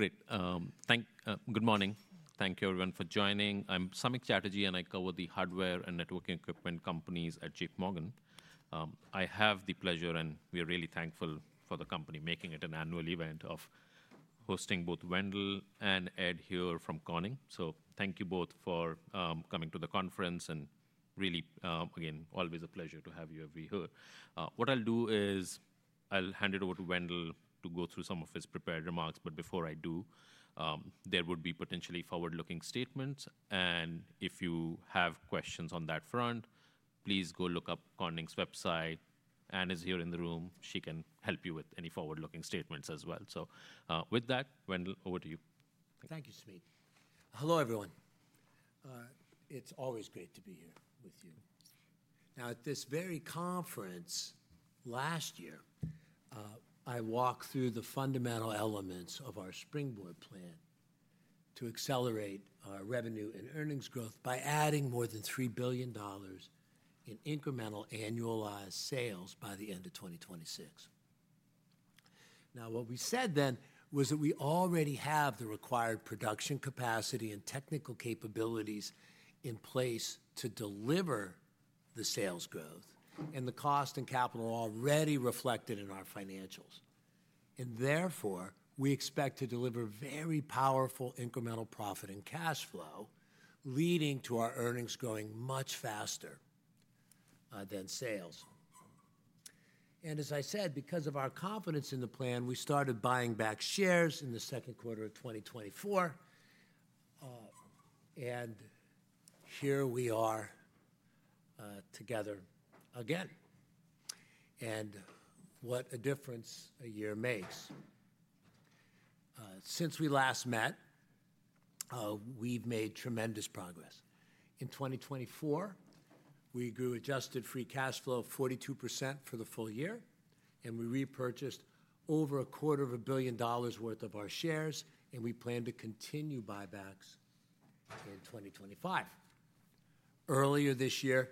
Great. Thank—uh, good morning. Thank you, everyone, for joining. I'm Samik Chatterjee, and I cover the hardware and networking equipment companies at J.P. Morgan. I have the pleasure, and we are really thankful for the company making it an annual event of hosting both Wendell and Ed here from Corning. So thank you both for coming to the conference, and really, again, always a pleasure to have you every year. What I'll do is I'll hand it over to Wendell to go through some of his prepared remarks. Before I do, there would be potentially forward-looking statements. If you have questions on that front, please go look up Corning's website. Ann is here in the room. She can help you with any forward-looking statements as well. With that, Wendell, over to you. Thank you, Samik. Hello, everyone. It's always great to be here with you. Now, at this very conference last year, I walked through the fundamental elements of our Springboard plan to accelerate our revenue and earnings growth by adding more than $3 billion in incremental annualized sales by the end of 2026. Now, what we said then was that we already have the required production capacity and technical capabilities in place to deliver the sales growth, and the cost and capital are already reflected in our financials. Therefore, we expect to deliver very powerful incremental profit and cash flow, leading to our earnings growing much faster than sales. As I said, because of our confidence in the plan, we started buying back shares in the second quarter of 2024. Here we are, together again. What a difference a year makes. Since we last met, we've made tremendous progress. In 2024, we grew adjusted free cash flow 42% for the full year, and we repurchased over a quarter of a billion dollars' worth of our shares, and we plan to continue buybacks in 2025. Earlier this year,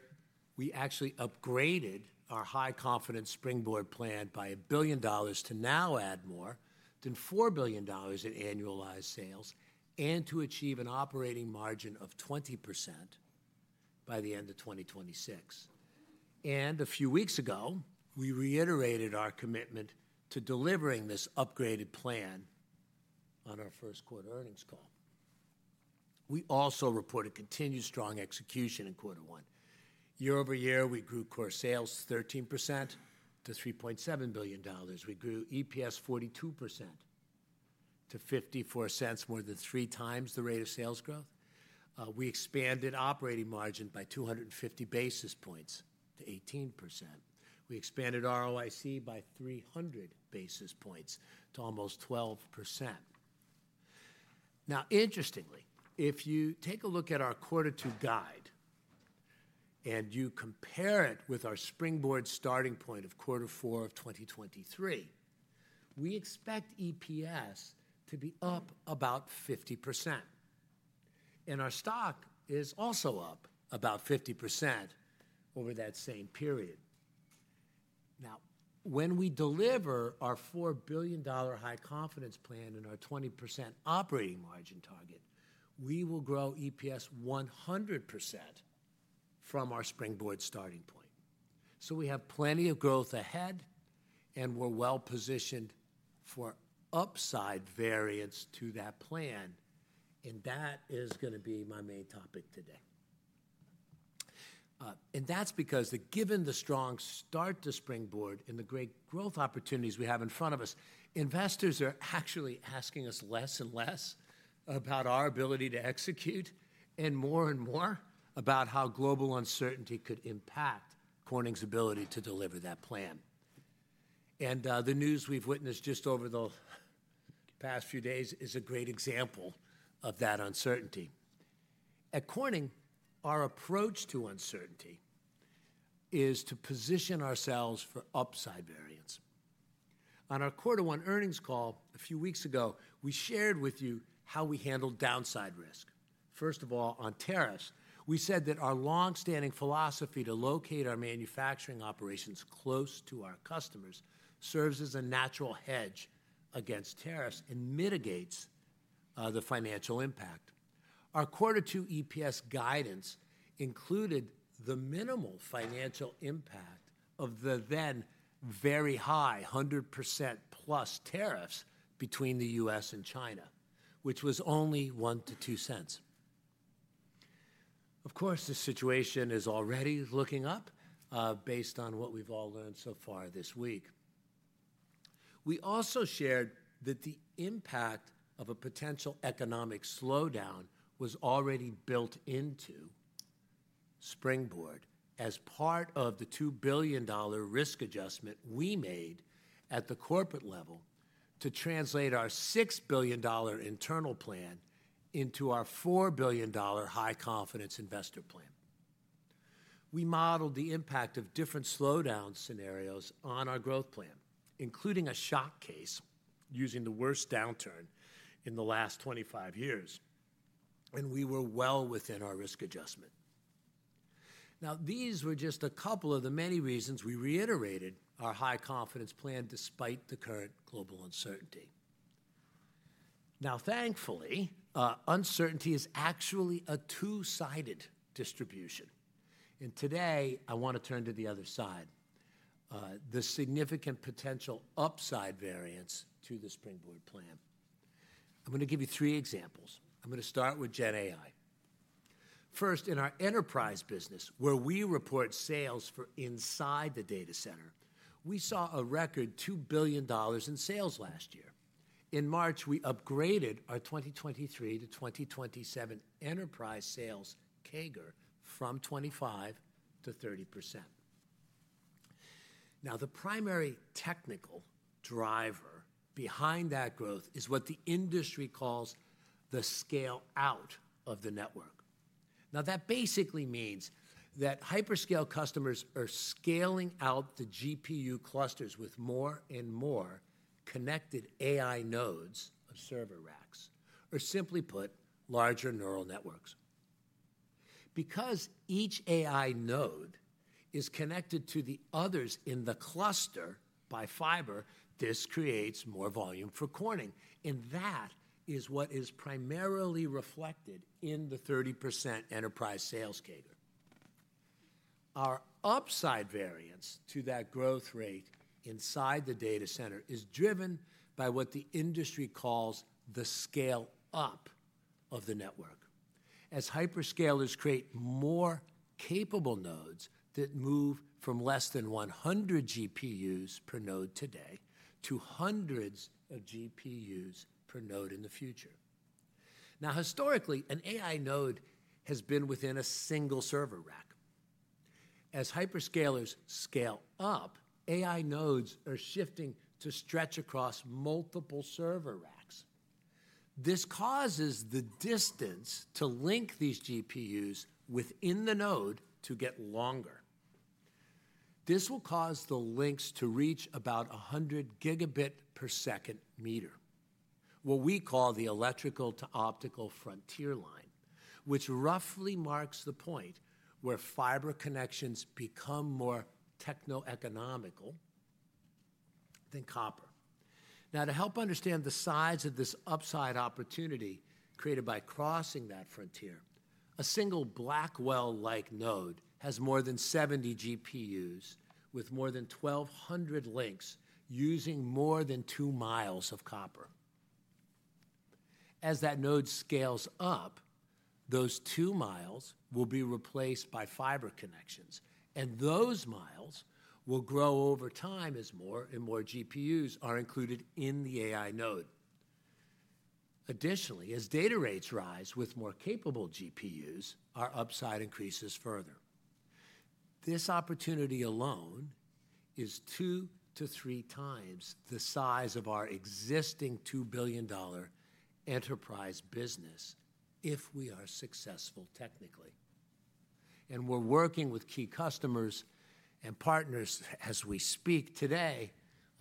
we actually upgraded our high-confidence Springboard plan by a billion dollars to now add more than $4 billion in annualized sales and to achieve an operating margin of 20% by the end of 2026. A few weeks ago, we reiterated our commitment to delivering this upgraded plan on our first quarter earnings call. We also reported continued strong execution in quarter one. Year over year, we grew core sales 13% to $3.7 billion. We grew EPS 42% to $0.54, more than three times the rate of sales growth. We expanded operating margin by 250 basis points to 18%. We expanded ROIC by 300 basis points to almost 12%. Now, interestingly, if you take a look at our quarter two guide and you compare it with our Springboard starting point of quarter four of 2023, we expect EPS to be up about 50%. Our stock is also up about 50% over that same period. When we deliver our $4 billion high-confidence plan and our 20% operating margin target, we will grow EPS 100% from our Springboard starting point. We have plenty of growth ahead, and we're well-positioned for upside variance to that plan. That is going to be my main topic today. That is because given the strong start to Springboard and the great growth opportunities we have in front of us, investors are actually asking us less and less about our ability to execute, and more and more about how global uncertainty could impact Corning's ability to deliver that plan. The news we have witnessed just over the past few days is a great example of that uncertainty. At Corning, our approach to uncertainty is to position ourselves for upside variance. On our quarter one earnings call a few weeks ago, we shared with you how we handle downside risk. First of all, on tariffs, we said that our long-standing philosophy to locate our manufacturing operations close to our customers serves as a natural hedge against tariffs and mitigates the financial impact. Our quarter two EPS guidance included the minimal financial impact of the then very high 100%+ tariffs between the U.S. and China, which was only $0.01-$0.02. Of course, the situation is already looking up, based on what we've all learned so far this week. We also shared that the impact of a potential economic slowdown was already built into Springboard as part of the $2 billion risk adjustment we made at the corporate level to translate our $6 billion internal plan into our $4 billion high-confidence investor plan. We modeled the impact of different slowdown scenarios on our growth plan, including a shock case using the worst downturn in the last 25 years. We were well within our risk adjustment. These were just a couple of the many reasons we reiterated our high-confidence plan despite the current global uncertainty. Now, thankfully, uncertainty is actually a two-sided distribution. Today, I want to turn to the other side, the significant potential upside variance to the Springboard plan. I'm going to give you three examples. I'm going to start with GenAI. First, in our enterprise business, where we report sales for inside the data center, we saw a record $2 billion in sales last year. In March, we upgraded our 2023 to 2027 enterprise sales CAGR from 25% to 30%. Now, the primary technical driver behind that growth is what the industry calls the scale-out of the network. That basically means that hyperscale customers are scaling out the GPU clusters with more and more connected AI nodes of server racks, or simply put, larger neural networks. Because each AI node is connected to the others in the cluster by fiber, this creates more volume for Corning. That is what is primarily reflected in the 30% enterprise sales CAGR. Our upside variance to that growth rate inside the data center is driven by what the industry calls the scale-up of the network, as hyperscalers create more capable nodes that move from less than 100 GPUs per node today to hundreds of GPUs per node in the future. Historically, an AI node has been within a single server rack. As hyperscalers scale up, AI nodes are shifting to stretch across multiple server racks. This causes the distance to link these GPUs within the node to get longer. This will cause the links to reach about 100 gigabit per second meter, what we call the electrical to optical frontier line, which roughly marks the point where fiber connections become more techno-economical than copper. Now, to help understand the size of this upside opportunity created by crossing that frontier, a single Blackwell-like node has more than 70 GPUs with more than 1,200 links using more than two miles of copper. As that node scales up, those two miles will be replaced by fiber connections, and those miles will grow over time as more and more GPUs are included in the AI node. Additionally, as data rates rise with more capable GPUs, our upside increases further. This opportunity alone is two to three times the size of our existing $2 billion enterprise business if we are successful technically. We are working with key customers and partners as we speak today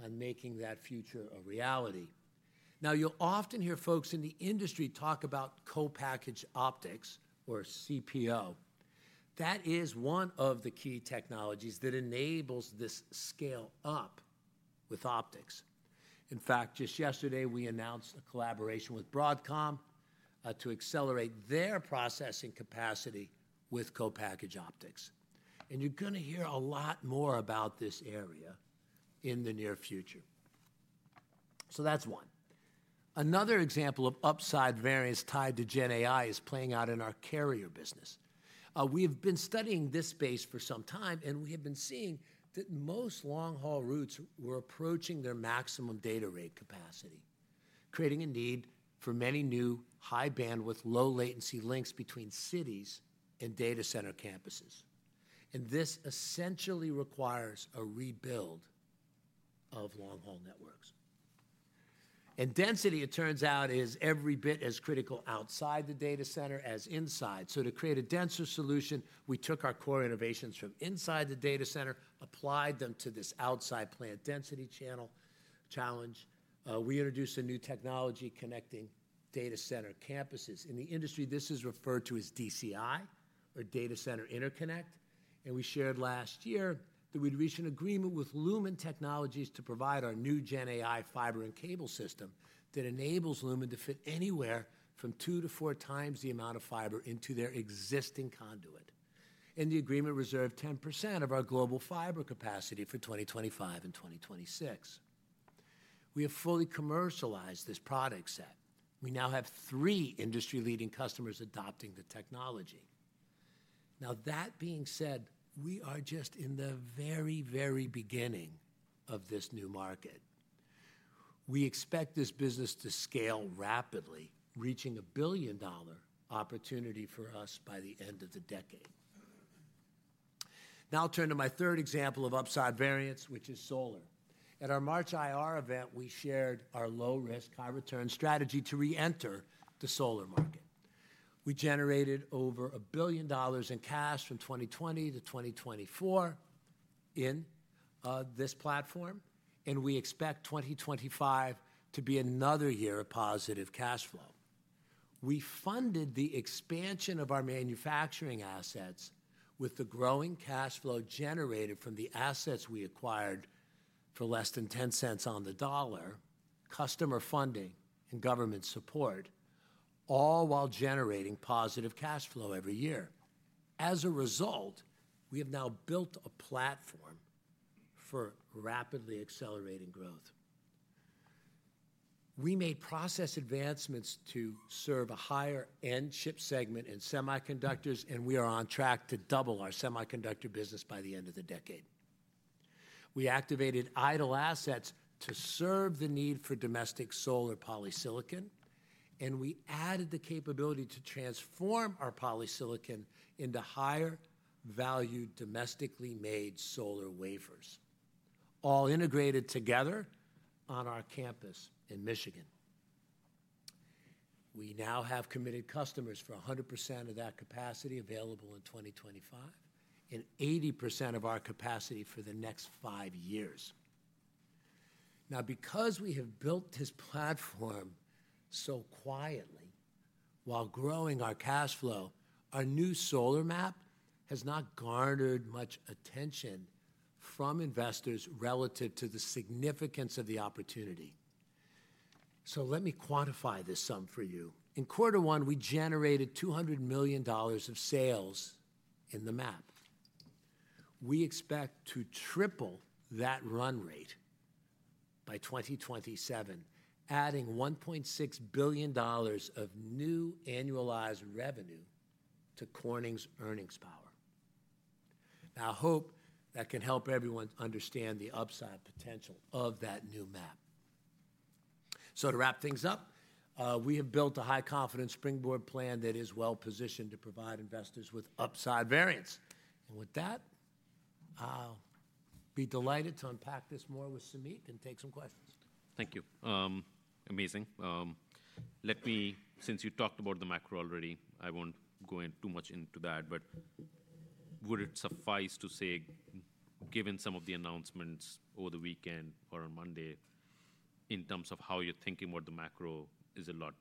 on making that future a reality. Now, you'll often hear folks in the industry talk about co-packaged optics or CPO. That is one of the key technologies that enables this scale-up with optics. In fact, just yesterday, we announced a collaboration with Broadcom to accelerate their processing capacity with co-packaged optics. You are going to hear a lot more about this area in the near future. That is one. Another example of upside variance tied to GenAI is playing out in our carrier business. We have been studying this space for some time, and we have been seeing that most long-haul routes were approaching their maximum data rate capacity, creating a need for many new high-bandwidth, low-latency links between cities and data center campuses. This essentially requires a rebuild of long-haul networks. Density, it turns out, is every bit as critical outside the data center as inside. To create a denser solution, we took our core innovations from inside the data center and applied them to this outside plant density channel challenge. We introduced a new technology connecting data center campuses. In the industry, this is referred to as DCI or data center interconnect. We shared last year that we had reached an agreement with Lumen Technologies to provide our new GenAI fiber and cable system that enables Lumen to fit anywhere from two to four times the amount of fiber into their existing conduit. The agreement reserved 10% of our global fiber capacity for 2025 and 2026. We have fully commercialized this product set. We now have three industry-leading customers adopting the technology. That being said, we are just in the very, very beginning of this new market. We expect this business to scale rapidly, reaching a billion-dollar opportunity for us by the end of the decade. Now, I will turn to my third example of upside variance, which is solar. At our March IR event, we shared our low-risk, high-return strategy to re-enter the solar market. We generated over $1 billion in cash from 2020 to 2024 in this platform, and we expect 2025 to be another year of positive cash flow. We funded the expansion of our manufacturing assets with the growing cash flow generated from the assets we acquired for less than 10 cents on the dollar, customer funding, and government support, all while generating positive cash flow every year. As a result, we have now built a platform for rapidly accelerating growth. We made process advancements to serve a higher-end chip segment in semiconductors, and we are on track to double our semiconductor business by the end of the decade. We activated idle assets to serve the need for domestic solar polysilicon, and we added the capability to transform our polysilicon into higher-valued domestically made solar wafers, all integrated together on our campus in Michigan. We now have committed customers for 100% of that capacity available in 2025 and 80% of our capacity for the next five years. Now, because we have built this platform so quietly while growing our cash flow, our new solar map has not garnered much attention from investors relative to the significance of the opportunity. Let me quantify this sum for you. In quarter one, we generated $200 million of sales in the map. We expect to triple that run rate by 2027, adding $1.6 billion of new annualized revenue to Corning's earnings power. I hope that can help everyone understand the upside potential of that new map. To wrap things up, we have built a high-confidence Springboard plan that is well-positioned to provide investors with upside variance. With that, I'll be delighted to unpack this more with Samik and take some questions. Thank you. Amazing. Let me, since you talked about the macro already, I won't go in too much into that, but would it suffice to say, given some of the announcements over the weekend or on Monday, in terms of how you're thinking about the macro, is a lot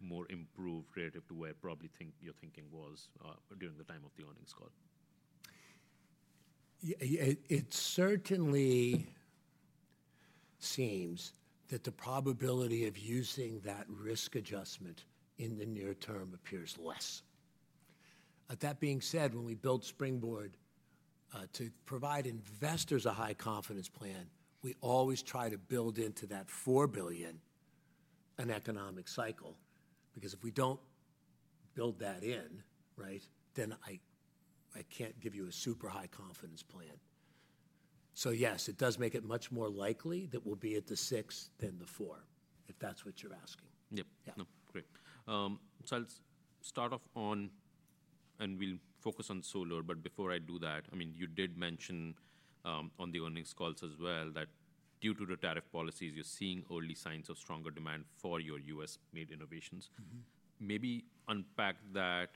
more improved relative to where probably your thinking was, during the time of the earnings call? It certainly seems that the probability of using that risk adjustment in the near term appears less. That being said, when we build Springboard, to provide investors a high-confidence plan, we always try to build into that $4 billion an economic cycle. Because if we don't build that in, right, then I can't give you a super high-confidence plan. Yes, it does make it much more likely that we'll be at the six than the four, if that's what you're asking. Yep. Yeah. No, great. I'll start off on, and we'll focus on solar, but before I do that, I mean, you did mention, on the earnings calls as well that due to the tariff policies, you're seeing early signs of stronger demand for your U.S.-made innovations. Maybe unpack that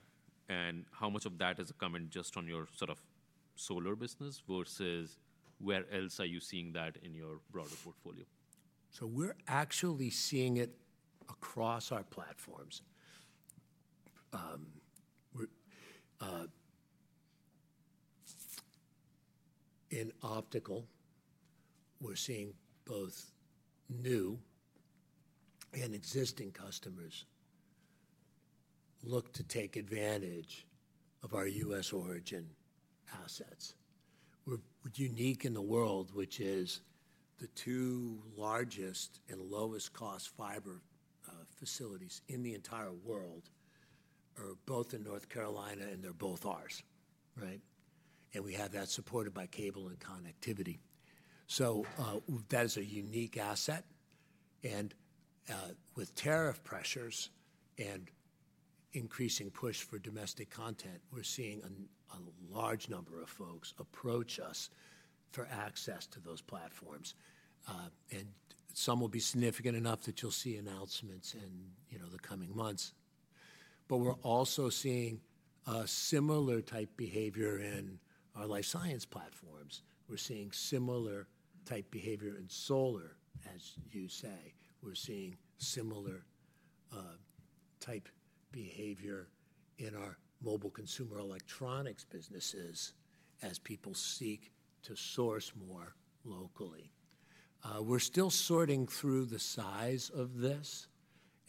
and how much of that has come in just on your sort of solar business versus where else are you seeing that in your broader portfolio? We're actually seeing it across our platforms. We're, in optical, we're seeing both new and existing customers look to take advantage of our U.S.-origin assets. We're unique in the world, which is the two largest and lowest-cost fiber facilities in the entire world are both in North Carolina and they're both ours, right? We have that supported by cable and connectivity. That is a unique asset. With tariff pressures and increasing push for domestic content, we're seeing a large number of folks approach us for access to those platforms. Some will be significant enough that you'll see announcements in, you know, the coming months. We're also seeing a similar type behavior in our life science platforms. We're seeing similar type behavior in solar, as you say. We're seeing similar type behavior in our mobile consumer electronics businesses as people seek to source more locally. We're still sorting through the size of this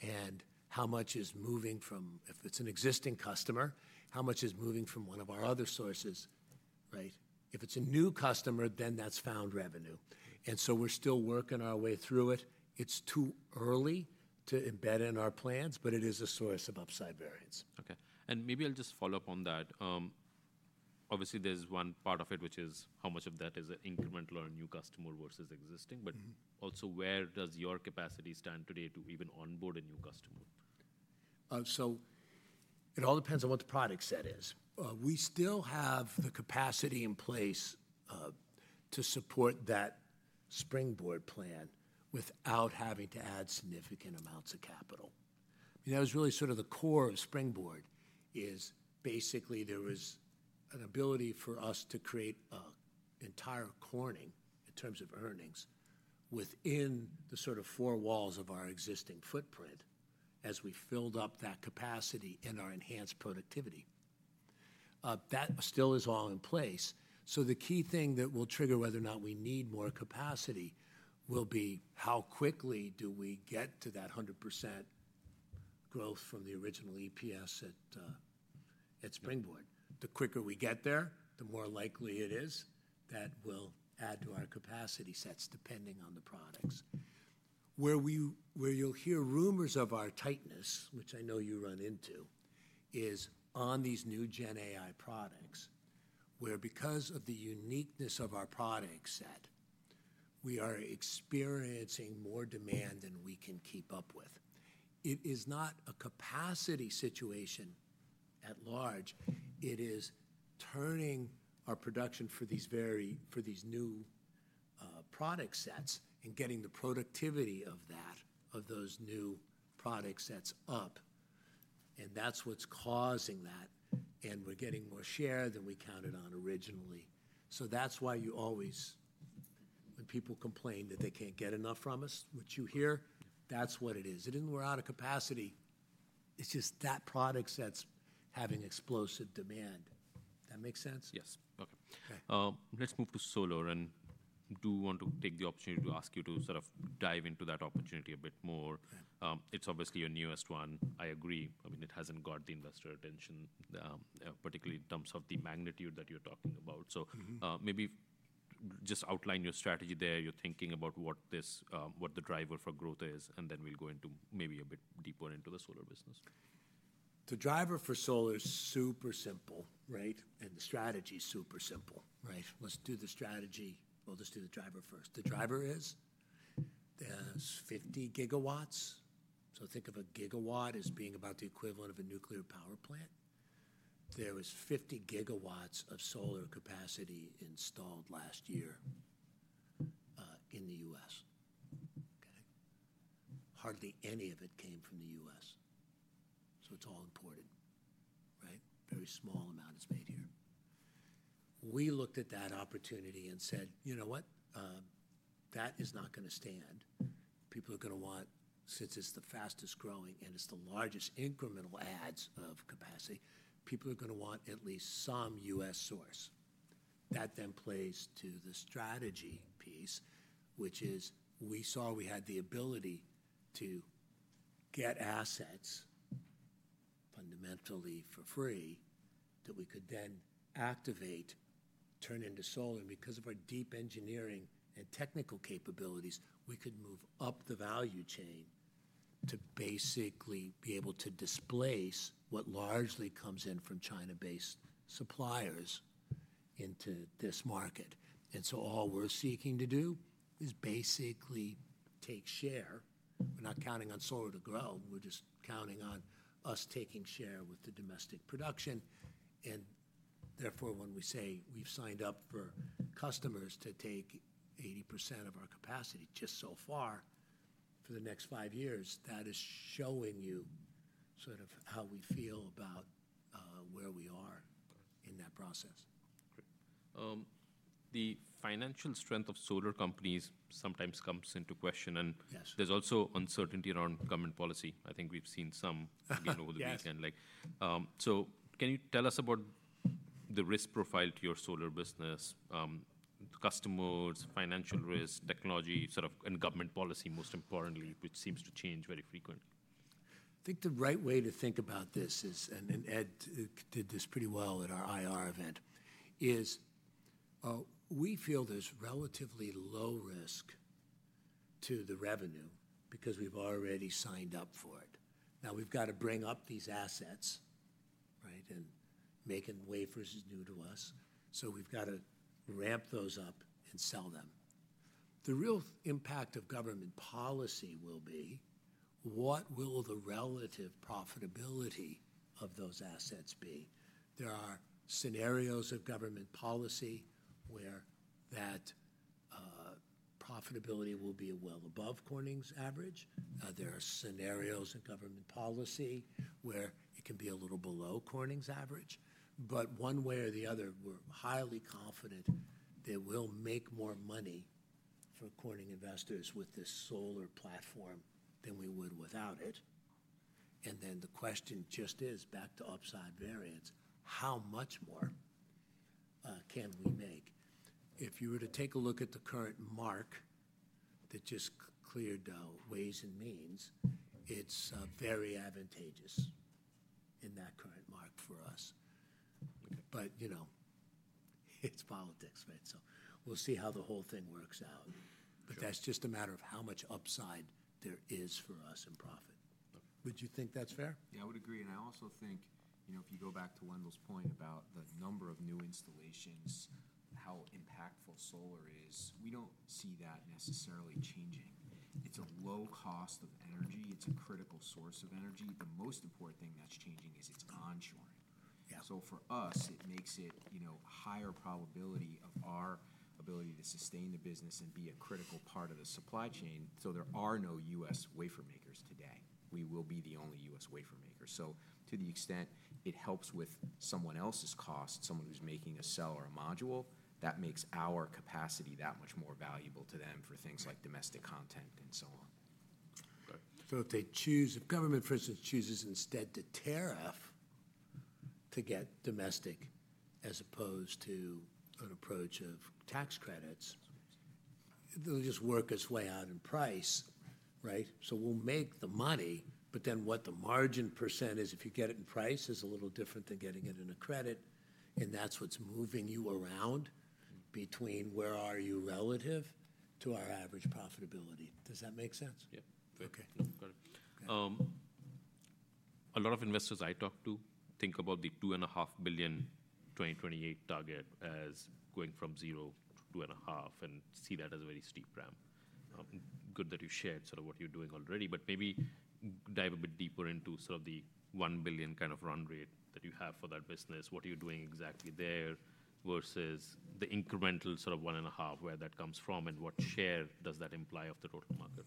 and how much is moving from, if it's an existing customer, how much is moving from one of our other sources, right? If it's a new customer, then that's found revenue. We're still working our way through it. It's too early to embed in our plans, but it is a source of upside variance. Okay. Maybe I'll just follow up on that. Obviously, there's one part of it, which is how much of that is an incremental or a new customer versus existing, but also where does your capacity stand today to even onboard a new customer? It all depends on what the product set is. We still have the capacity in place to support that Springboard plan without having to add significant amounts of capital. I mean, that was really sort of the core of Springboard. Basically, there was an ability for us to create an entire Corning in terms of earnings within the four walls of our existing footprint as we filled up that capacity in our enhanced productivity. That still is all in place. The key thing that will trigger whether or not we need more capacity will be how quickly do we get to that 100% growth from the original EPS at, at Springboard. The quicker we get there, the more likely it is that we'll add to our capacity sets depending on the products. Where you'll hear rumors of our tightness, which I know you run into, is on these new GenAI products where, because of the uniqueness of our product set, we are experiencing more demand than we can keep up with. It is not a capacity situation at large. It is turning our production for these very, for these new product sets and getting the productivity of that, of those new product sets up. That is what's causing that. We are getting more share than we counted on originally. That's why you always, when people complain that they can't get enough from us, what you hear, that's what it is. It isn't we're out of capacity. It's just that product set's having explosive demand. That makes sense? Yes. Okay. Let's move to solar. And do you want to take the opportunity to ask you to sort of dive into that opportunity a bit more? It's obviously your newest one. I agree. I mean, it hasn't got the investor attention, particularly in terms of the magnitude that you're talking about. So, maybe just outline your strategy there. You're thinking about what this, what the driver for growth is, and then we'll go into maybe a bit deeper into the solar business. The driver for solar is super simple, right? And the strategy is super simple, right? Let's do the strategy. Let's do the driver first. The driver is there's 50 gigawatts. Think of a gigawatt as being about the equivalent of a nuclear power plant. There was 50 gigawatts of solar capacity installed last year, in the U.S. Hardly any of it came from the U.S. It is all imported, right? Very small amount is made here. We looked at that opportunity and said, you know what? That is not going to stand. People are going to want, since it is the fastest growing and it is the largest incremental adds of capacity, people are going to want at least some U.S. source. That then plays to the strategy piece, which is we saw we had the ability to get assets fundamentally for free that we could then activate, turn into solar. Because of our deep engineering and technical capabilities, we could move up the value chain to basically be able to displace what largely comes in from China-based suppliers into this market. All we're seeking to do is basically take share. We're not counting on solar to grow. We're just counting on us taking share with the domestic production. Therefore, when we say we've signed up for customers to take 80% of our capacity just so far for the next five years, that is showing you sort of how we feel about where we are in that process. Great. The financial strength of solar companies sometimes comes into question. There's also uncertainty around government policy. I think we've seen some again over the weekend. Like, so can you tell us about the risk profile to your solar business, customers, financial risk, technology, sort of, and government policy, most importantly, which seems to change very frequently? I think the right way to think about this is, and Ed did this pretty well at our IR event, is, we feel there's relatively low risk to the revenue because we've already signed up for it. Now we've got to bring up these assets, right, and make wafers new to us. So we've got to ramp those up and sell them. The real impact of government policy will be what will the relative profitability of those assets be? There are scenarios of government policy where that, profitability will be well above Corning's average. There are scenarios of government policy where it can be a little below Corning's average. One way or the other, we're highly confident they will make more money for Corning investors with this solar platform than we would without it. The question just is, back to upside variance, how much more can we make? If you were to take a look at the current mark that just cleared Ways and Means, it's very advantageous in that current mark for us. You know, it's politics, right? We'll see how the whole thing works out. That's just a matter of how much upside there is for us in profit. Would you think that's fair? Yeah, I would agree. I also think, you know, if you go back to Wendell's point about the number of new installations, how impactful solar is, we don't see that necessarily changing. It's a low cost of energy. It's a critical source of energy. The most important thing that's changing is it's onshoring. For us, it makes it, you know, higher probability of our ability to sustain the business and be a critical part of the supply chain. There are no U.S. wafer makers today. We will be the only U.S. wafer maker. To the extent it helps with someone else's cost, someone who's making a cell or a module, that makes our capacity that much more valuable to them for things like domestic content and so on. If they choose, if government, for instance, chooses instead to tariff to get domestic as opposed to an approach of tax credits, it'll just work its way out in price, right? We'll make the money, but then what the margin % is, if you get it in price, is a little different than getting it in a credit. That's what's moving you around between where are you relative to our average profitability. Does that make sense? Yep. Okay. Got it. A lot of investors I talk to think about the $2.5 billion 2028 target as going from zero to $2.5 billion and see that as a very steep ramp. Good that you shared sort of what you're doing already, but maybe dive a bit deeper into sort of the $1 billion kind of run rate that you have for that business. What are you doing exactly there versus the incremental sort of $1.5 billion, where that comes from, and what share does that imply of the total market?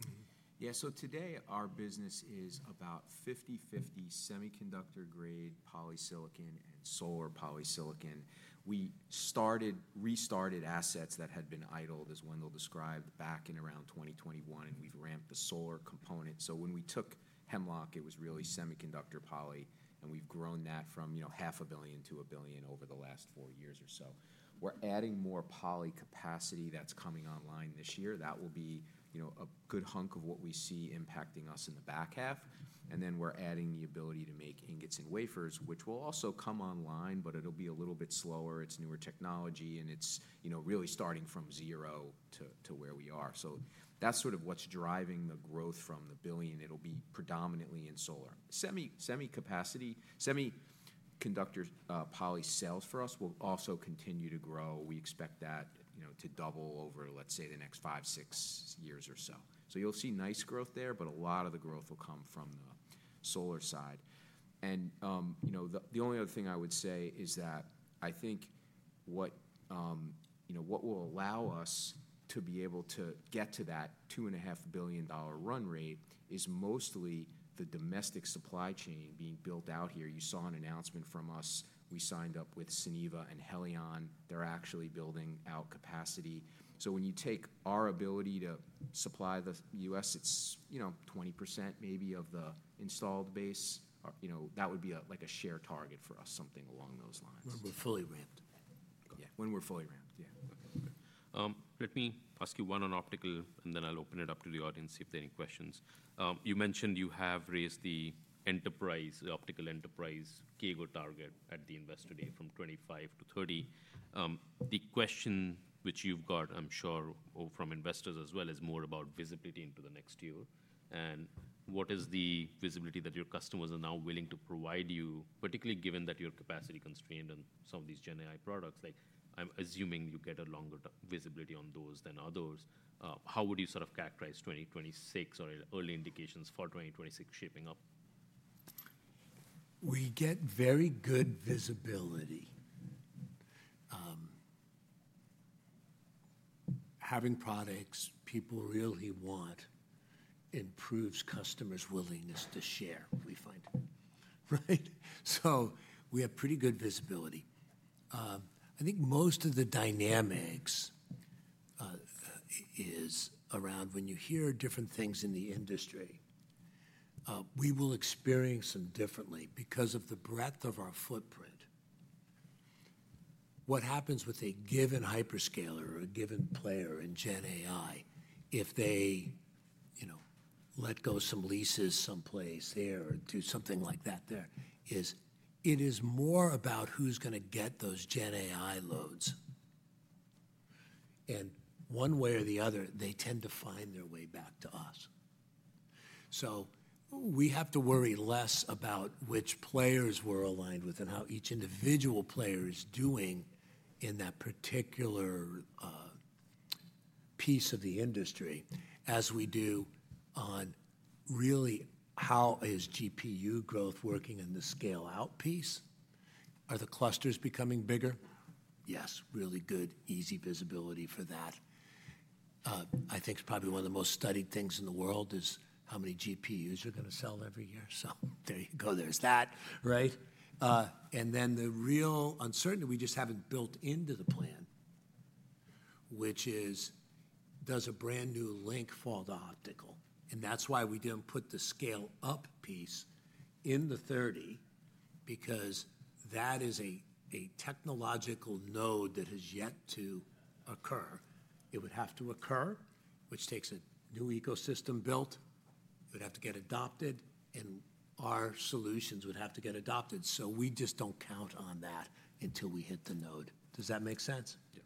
Yeah. Today our business is about 50-50 semiconductor grade polysilicon and solar polysilicon. We started, restarted assets that had been idled, as Wendell described, back in around 2021, and we've ramped the solar component. When we took Hemlock, it was really semiconductor poly, and we've grown that from, you know, $500 million to $1 billion over the last four years or so. We're adding more poly capacity that's coming online this year. That will be, you know, a good hunk of what we see impacting us in the back half. We're adding the ability to make ingots and wafers, which will also come online, but it'll be a little bit slower. It's newer technology, and it's, you know, really starting from zero to where we are. That's sort of what's driving the growth from the $1 billion. It'll be predominantly in solar. Semi, semi-capacity, semiconductor poly cells for us will also continue to grow. We expect that, you know, to double over, let's say, the next five, six years or so. You'll see nice growth there, but a lot of the growth will come from the solar side. And, you know, the only other thing I would say is that I think what, you know, what will allow us to be able to get to that $2.5 billion run rate is mostly the domestic supply chain being built out here. You saw an announcement from us. We signed up with SNEC and Heliene. They're actually building out capacity. So when you take our ability to supply the U.S., it's, you know, 20% maybe of the installed base, you know, that would be like a share target for us, something along those lines. When we're fully ramped. Yeah. When we're fully ramped. Yeah. Okay. Let me ask you one on optical, and then I'll open it up to the audience if there are any questions. You mentioned you have raised the enterprise, the optical enterprise CAGR target at the investor day from 25% to 30%. The question which you've got, I'm sure, from investors as well is more about visibility into the next year. What is the visibility that your customers are now willing to provide you, particularly given that you're capacity constrained on some of these GenAI products? Like, I'm assuming you get a longer visibility on those than others. How would you sort of characterize 2026 or early indications for 2026 shaping up? We get very good visibility. Having products people really want improves customers' willingness to share, we find, right? So we have pretty good visibility. I think most of the dynamics is around when you hear different things in the industry, we will experience them differently because of the breadth of our footprint. What happens with a given hyperscaler or a given player in GenAI, if they, you know, let go some leases someplace there or do something like that there, it is more about who's going to get those GenAI loads. One way or the other, they tend to find their way back to us. We have to worry less about which players we're aligned with and how each individual player is doing in that particular piece of the industry as we do on really how is GPU growth working in the scale-out piece. Are the clusters becoming bigger? Yes. Really good, easy visibility for that. I think it's probably one of the most studied things in the world is how many GPUs you're going to sell every year. There you go. There's that, right? and then the real uncertainty we just have not built into the plan, which is, does a brand new link fall to optical? That is why we did not put the scale-up piece in the 30, because that is a technological node that has yet to occur. It would have to occur, which takes a new ecosystem built. It would have to get adopted, and our solutions would have to get adopted. We just do not count on that until we hit the node. Does that make sense? Yes.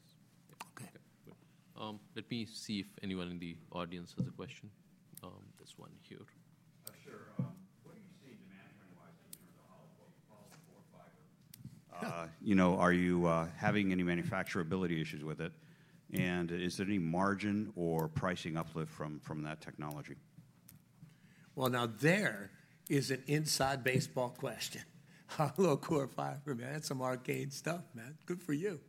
Okay. Let me see if anyone in the audience has a question. There is one here. Sure. What are you seeing demand trend-wise in terms of Hollow, you know, are you having any manufacturability issues with it? And is there any margin or pricing uplift from that technology? Now there is an inside baseball question. Hollow core fiber, man. That's some arcade stuff, man. Good for you.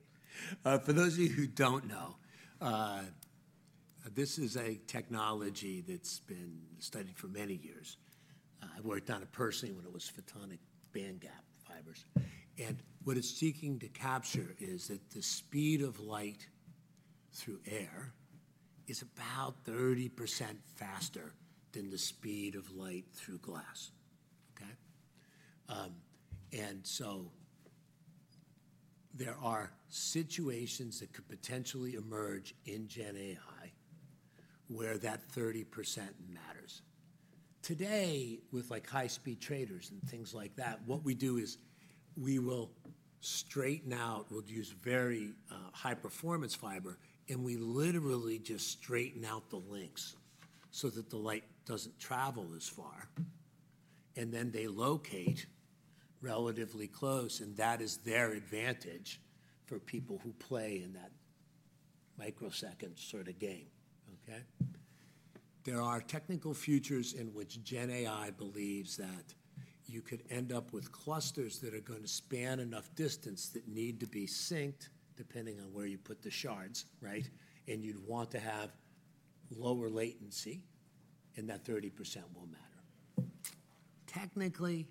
For those of you who do not know, this is a technology that has been studied for many years. I worked on it personally when it was photonic bandgap fibers. What it is seeking to capture is that the speed of light through air is about 30% faster than the speed of light through glass. Okay? There are situations that could potentially emerge in GenAI where that 30% matters. Today, with like high-speed traders and things like that, what we do is we will straighten out, we will use very high-performance fiber, and we literally just straighten out the links so that the light does not travel as far. They locate relatively close, and that is their advantage for people who play in that microsecond sort of game. Okay? There are technical futures in which GenAI believes that you could end up with clusters that are going to span enough distance that need to be synced depending on where you put the shards, right? You'd want to have lower latency, and that 30% will matter. Technically,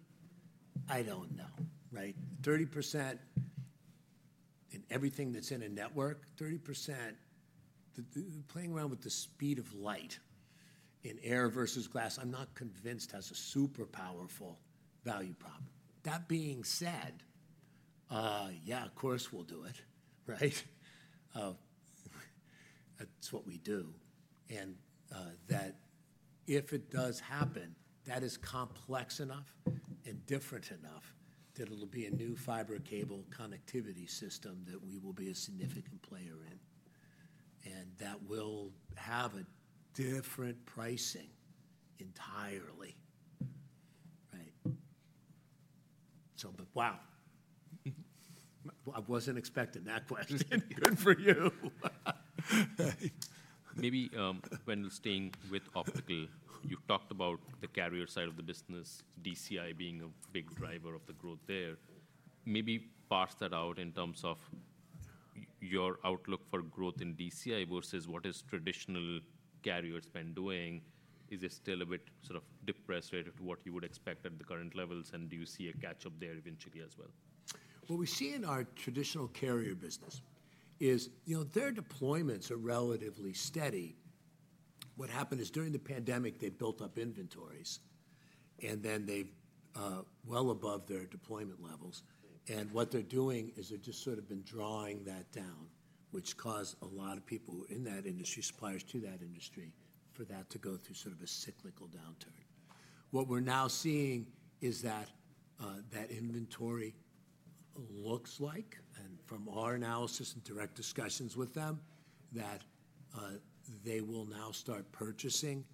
I don't know, right? 30% in everything that's in a network, 30% playing around with the speed of light in air versus glass, I'm not convinced has a super powerful value prop. That being said, yeah, of course we'll do it, right? That's what we do. If it does happen, that is complex enough and different enough that it'll be a new fiber cable connectivity system that we will be a significant player in. That will have a different pricing entirely, right? Wow, I wasn't expecting that question. Good for you. Maybe, when staying with optical, you talked about the carrier side of the business, DCI being a big driver of the growth there. Maybe parse that out in terms of your outlook for growth in DCI versus what traditional carriers have been doing. Is it still a bit sort of depressed relative to what you would expect at the current levels, and do you see a catch-up there eventually as well? What we see in our traditional carrier business is, you know, their deployments are relatively steady. What happened is during the pandemic, they built up inventories, and then they were well above their deployment levels. What they are doing is they have just sort of been drawing that down, which caused a lot of people who are in that industry, suppliers to that industry, for that to go through sort of a cyclical downturn. What we're now seeing is that inventory looks like, and from our analysis and direct discussions with them, that they will now start purchasing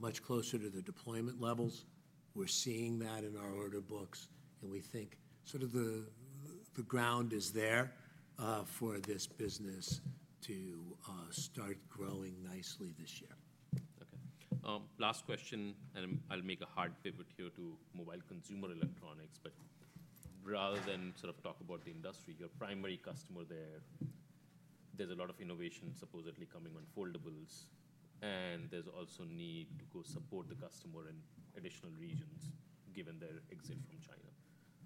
much closer to the deployment levels. We're seeing that in our order books, and we think sort of the ground is there for this business to start growing nicely this year. Okay. Last question, and I'll make a hard pivot here to Mobile Consumer Electronics, but rather than sort of talk about the industry, your primary customer there, there's a lot of innovation supposedly coming on foldables, and there's also need to go support the customer in additional regions given their exit from China.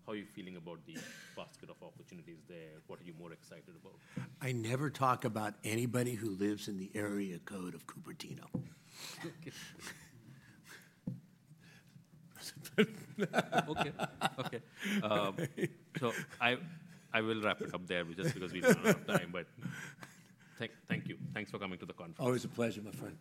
How are you feeling about the basket of opportunities there? What are you more excited about? I never talk about anybody who lives in the area code of Cupertino. Okay. Okay. Okay. I will wrap it up there just because we do not have time, but thank you. Thanks for coming to the conference. Always a pleasure, my friend.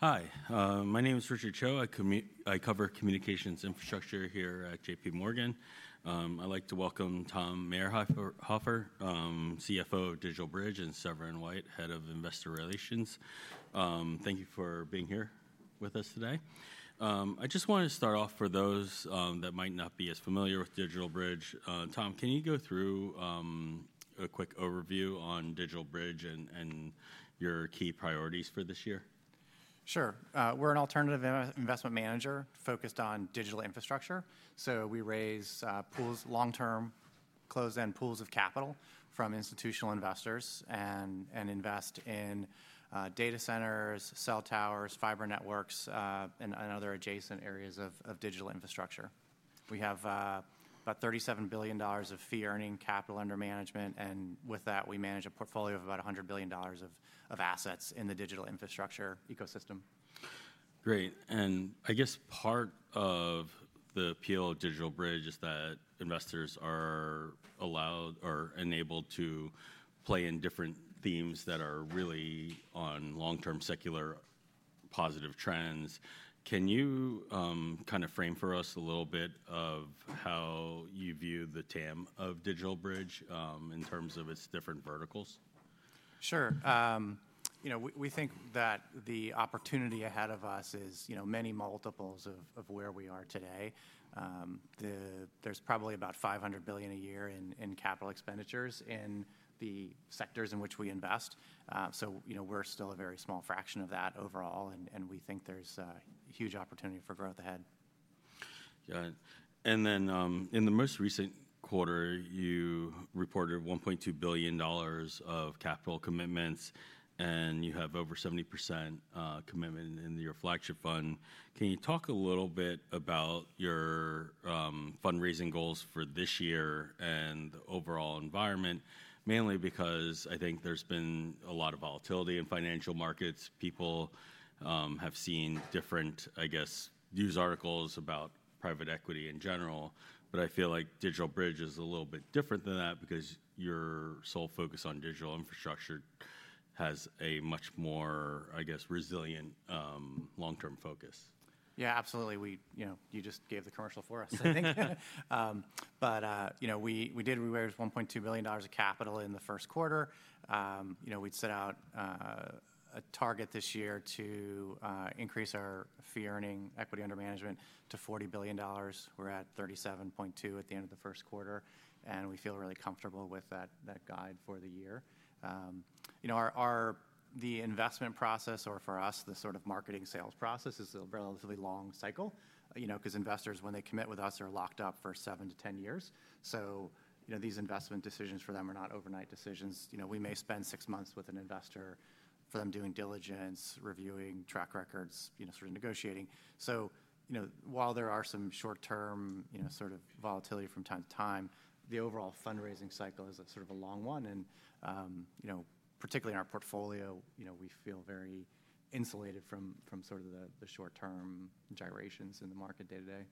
Thanks, Ami. Hi, my name is Richard Cho. I cover communications infrastructure here at J.P. Morgan. I would like to welcome Tom Mayerhoffer, CFO of DigitalBridge, and Severin White, Head of Investor Relations. Thank you for being here with us today. I just want to start off for those that might not be as familiar with DigitalBridge. Tom, can you go through a quick overview on DigitalBridge and your key priorities for this year? Sure. We are an alternative investment manager focused on digital infrastructure. We raise pools, long-term closed-end pools of capital from institutional investors and invest in data centers, cell towers, fiber networks, and other adjacent areas of digital infrastructure. We have about $37 billion of fee-earning capital under management, and with that, we manage a portfolio of about $100 billion of assets in the digital infrastructure ecosystem. Great. I guess part of the appeal of DigitalBridge is that investors are allowed or enabled to play in different themes that are really on long-term secular positive trends. Can you kind of frame for us a little bit of how you view the TAM of DigitalBridge, in terms of its different verticals? Sure. You know, we think that the opportunity ahead of us is, you know, many multiples of where we are today. There's probably about $500 billion a year in capital expenditures in the sectors in which we invest. You know, we're still a very small fraction of that overall, and we think there's huge opportunity for growth ahead. Yeah. In the most recent quarter, you reported $1.2 billion of capital commitments, and you have over 70% commitment in your flagship fund. Can you talk a little bit about your fundraising goals for this year and the overall environment, mainly because I think there's been a lot of volatility in financial markets? People have seen different, I guess, news articles about private equity in general, but I feel like DigitalBridge is a little bit different than that because your sole focus on digital infrastructure has a much more, I guess, resilient, long-term focus. Yeah, absolutely. You know, you just gave the commercial for us, I think. You know, we did, we raised $1.2 billion of capital in the first quarter. You know, we'd set out a target this year to increase our fee-earning equity under management to $40 billion. We're at $37.2 billion at the end of the first quarter, and we feel really comfortable with that, that guide for the year. You know, our, our, the investment process, or for us, the sort of marketing sales process is a relatively long cycle, you know, because investors, when they commit with us, are locked up for seven to ten years. These investment decisions for them are not overnight decisions. You know, we may spend six months with an investor for them doing diligence, reviewing track records, you know, sort of negotiating. While there are some short-term, you know, sort of volatility from time to time, the overall fundraising cycle is a sort of a long one. You know, particularly in our portfolio, we feel very insulated from, from sort of the, the short-term gyrations in the market day to day.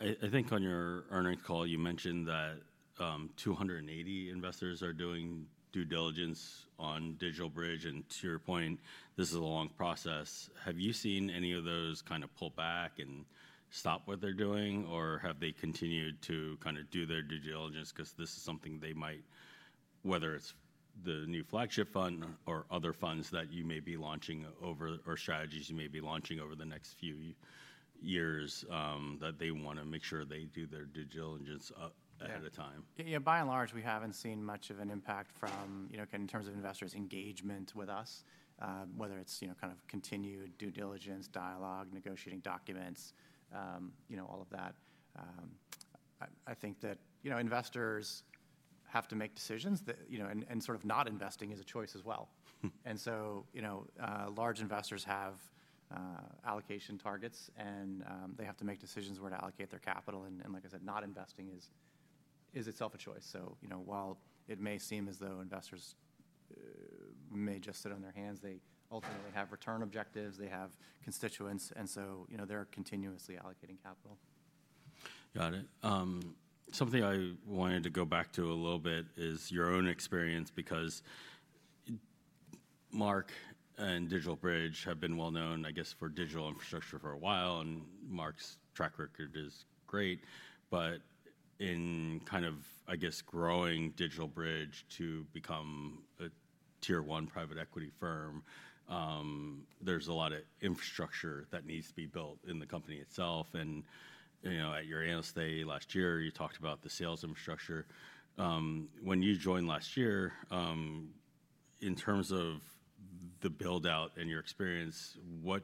Yeah. I think on your earnings call, you mentioned that 280 investors are doing due diligence on DigitalBridge, and to your point, this is a long process. Have you seen any of those kind of pull back and stop what they're doing, or have they continued to kind of do their due diligence? Because this is something they might, whether it's the new flagship fund or other funds that you may be launching over, or strategies you may be launching over the next few years, that they want to make sure they do their due diligence up ahead of time. Yeah. By and large, we haven't seen much of an impact from, you know, in terms of investors' engagement with us, whether it's, you know, kind of continued due diligence, dialogue, negotiating documents, you know, all of that. I think that, you know, investors have to make decisions that, you know, not investing is a choice as well. You know, large investors have allocation targets and they have to make decisions where to allocate their capital. Like I said, not investing is itself a choice. You know, while it may seem as though investors may just sit on their hands, they ultimately have return objectives, they have constituents, and so, you know, they're continuously allocating capital. Got it. Something I wanted to go back to a little bit is your own experience, because Marc and DigitalBridge have been well known, I guess, for digital infrastructure for a while, and Marc's track record is great. In kind of, I guess, growing DigitalBridge to become a tier one private equity firm, there is a lot of infrastructure that needs to be built in the company itself. You know, at your anniversary last year, you talked about the sales infrastructure. When you joined last year, in terms of the buildout and your experience, what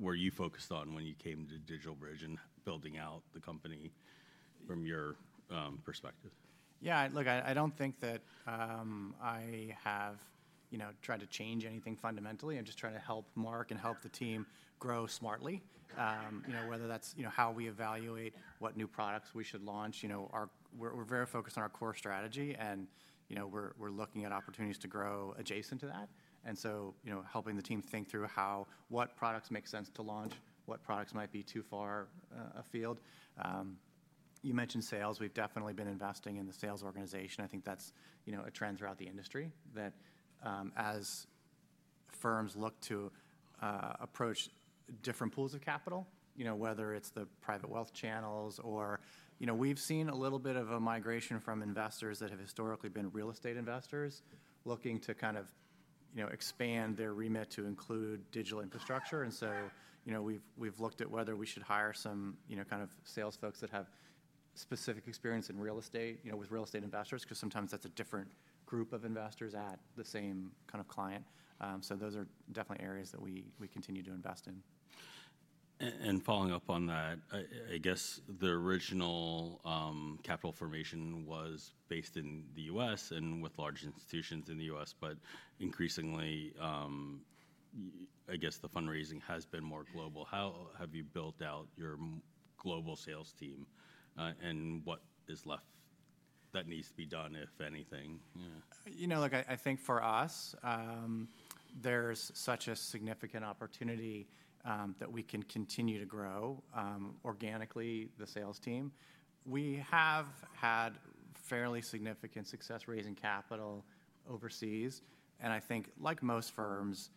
were you focused on when you came to DigitalBridge and building out the company from your perspective? Yeah, look, I do not think that I have tried to change anything fundamentally. I am just trying to help Marc and help the team grow smartly. You know, whether that is how we evaluate what new products we should launch, you know, we are very focused on our core strategy and, you know, we are looking at opportunities to grow adjacent to that. You know, helping the team think through how, what products make sense to launch, what products might be too far afield. You mentioned sales. We have definitely been investing in the sales organization. I think that is, you know, a trend throughout the industry that, as firms look to approach different pools of capital, you know, whether it is the private wealth channels or, you know, we have seen a little bit of a migration from investors that have historically been real estate investors looking to kind of, you know, expand their remit to include digital infrastructure. You know, we have looked at whether we should hire some, you know, kind of sales folks that have specific experience in real estate, you know, with real estate investors, because sometimes that is a different group of investors at the same kind of client. Those are definitely areas that we continue to invest in. Following up on that, I guess the original capital formation was based in the U.S. and with large institutions in the U.S., but increasingly, I guess the fundraising has been more global. How have you built out your global sales team, and what is left that needs to be done, if anything? Yeah. You know, look, I think for us, there's such a significant opportunity that we can continue to grow organically the sales team. We have had fairly significant success raising capital overseas. I think, like most firms,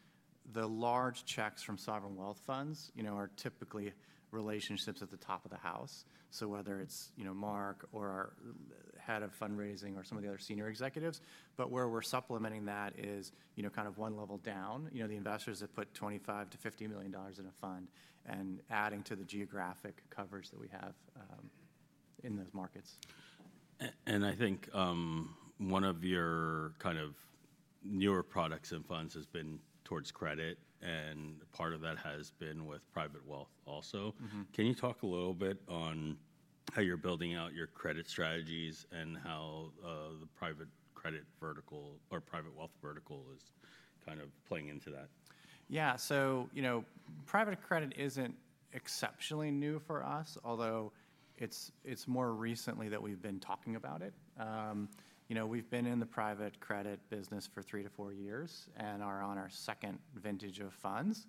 the large checks from sovereign wealth funds are typically relationships at the top of the house. Whether it is, you know, Marc or Head of Fundraising or some of the other senior executives, where we are supplementing that is, you know, kind of one level down, you know, the investors that put $25 million-$50 million in a fund and adding to the geographic coverage that we have in those markets. I think one of your kind of newer products and funds has been towards credit, and part of that has been with private wealth also. Can you talk a little bit on how you are building out your credit strategies and how the private credit vertical or private wealth vertical is kind of playing into that? Yeah. You know, private credit is not exceptionally new for us, although it is more recently that we have been talking about it. You know, we've been in the private credit business for three to four years and are on our second vintage of funds.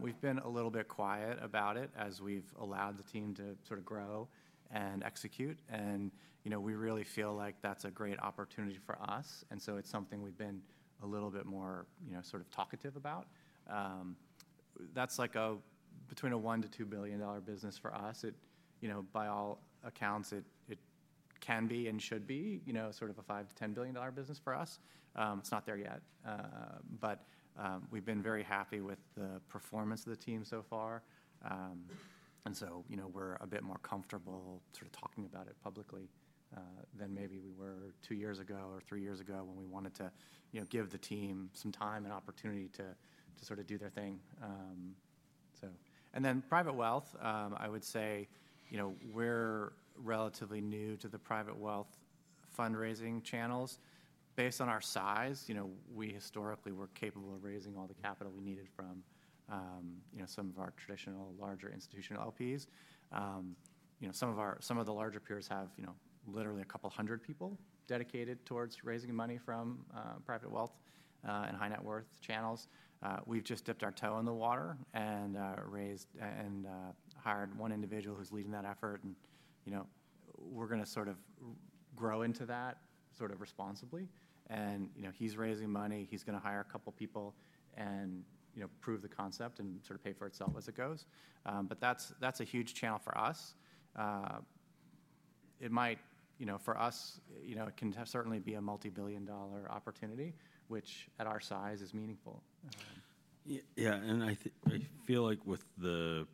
We've been a little bit quiet about it as we've allowed the team to sort of grow and execute. You know, we really feel like that's a great opportunity for us. It is something we've been a little bit more, you know, sort of talkative about. That's like a between a $1 billion-$2 billion business for us. It, you know, by all accounts, it can be and should be, you know, sort of a $5 billion-$10 billion business for us. It's not there yet. We've been very happy with the performance of the team so far. You know, we're a bit more comfortable sort of talking about it publicly than maybe we were two years ago or three years ago when we wanted to, you know, give the team some time and opportunity to sort of do their thing. I would say, you know, we're relatively new to the private wealth fundraising channels. Based on our size, you know, we historically were capable of raising all the capital we needed from, you know, some of our traditional larger institutional LPs. You know, some of the larger peers have, you know, literally a couple hundred people dedicated towards raising money from private wealth and high net worth channels. We've just dipped our toe in the water and raised and hired one individual who's leading that effort. You know, we're going to sort of grow into that sort of responsibly. You know, he's raising money, he's going to hire a couple people and, you know, prove the concept and sort of pay for itself as it goes. That's a huge channel for us. It might, you know, for us, you know, it can certainly be a multi-billion dollar opportunity, which at our size is meaningful. Yeah. I think, I feel like with the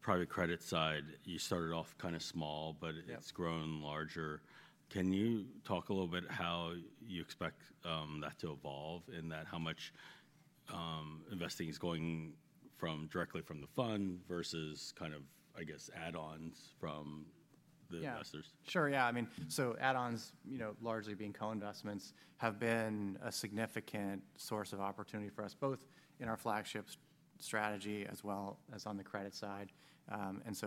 private credit side, you started off kind of small, but it's grown larger. Can you talk a little bit how you expect that to evolve in that, how much investing is going from directly from the fund versus kind of, I guess, add-ons from the investors? Yeah, sure. Yeah. I mean, so add-ons, you know, largely being co-investments have been a significant source of opportunity for us, both in our flagship strategy as well as on the credit side.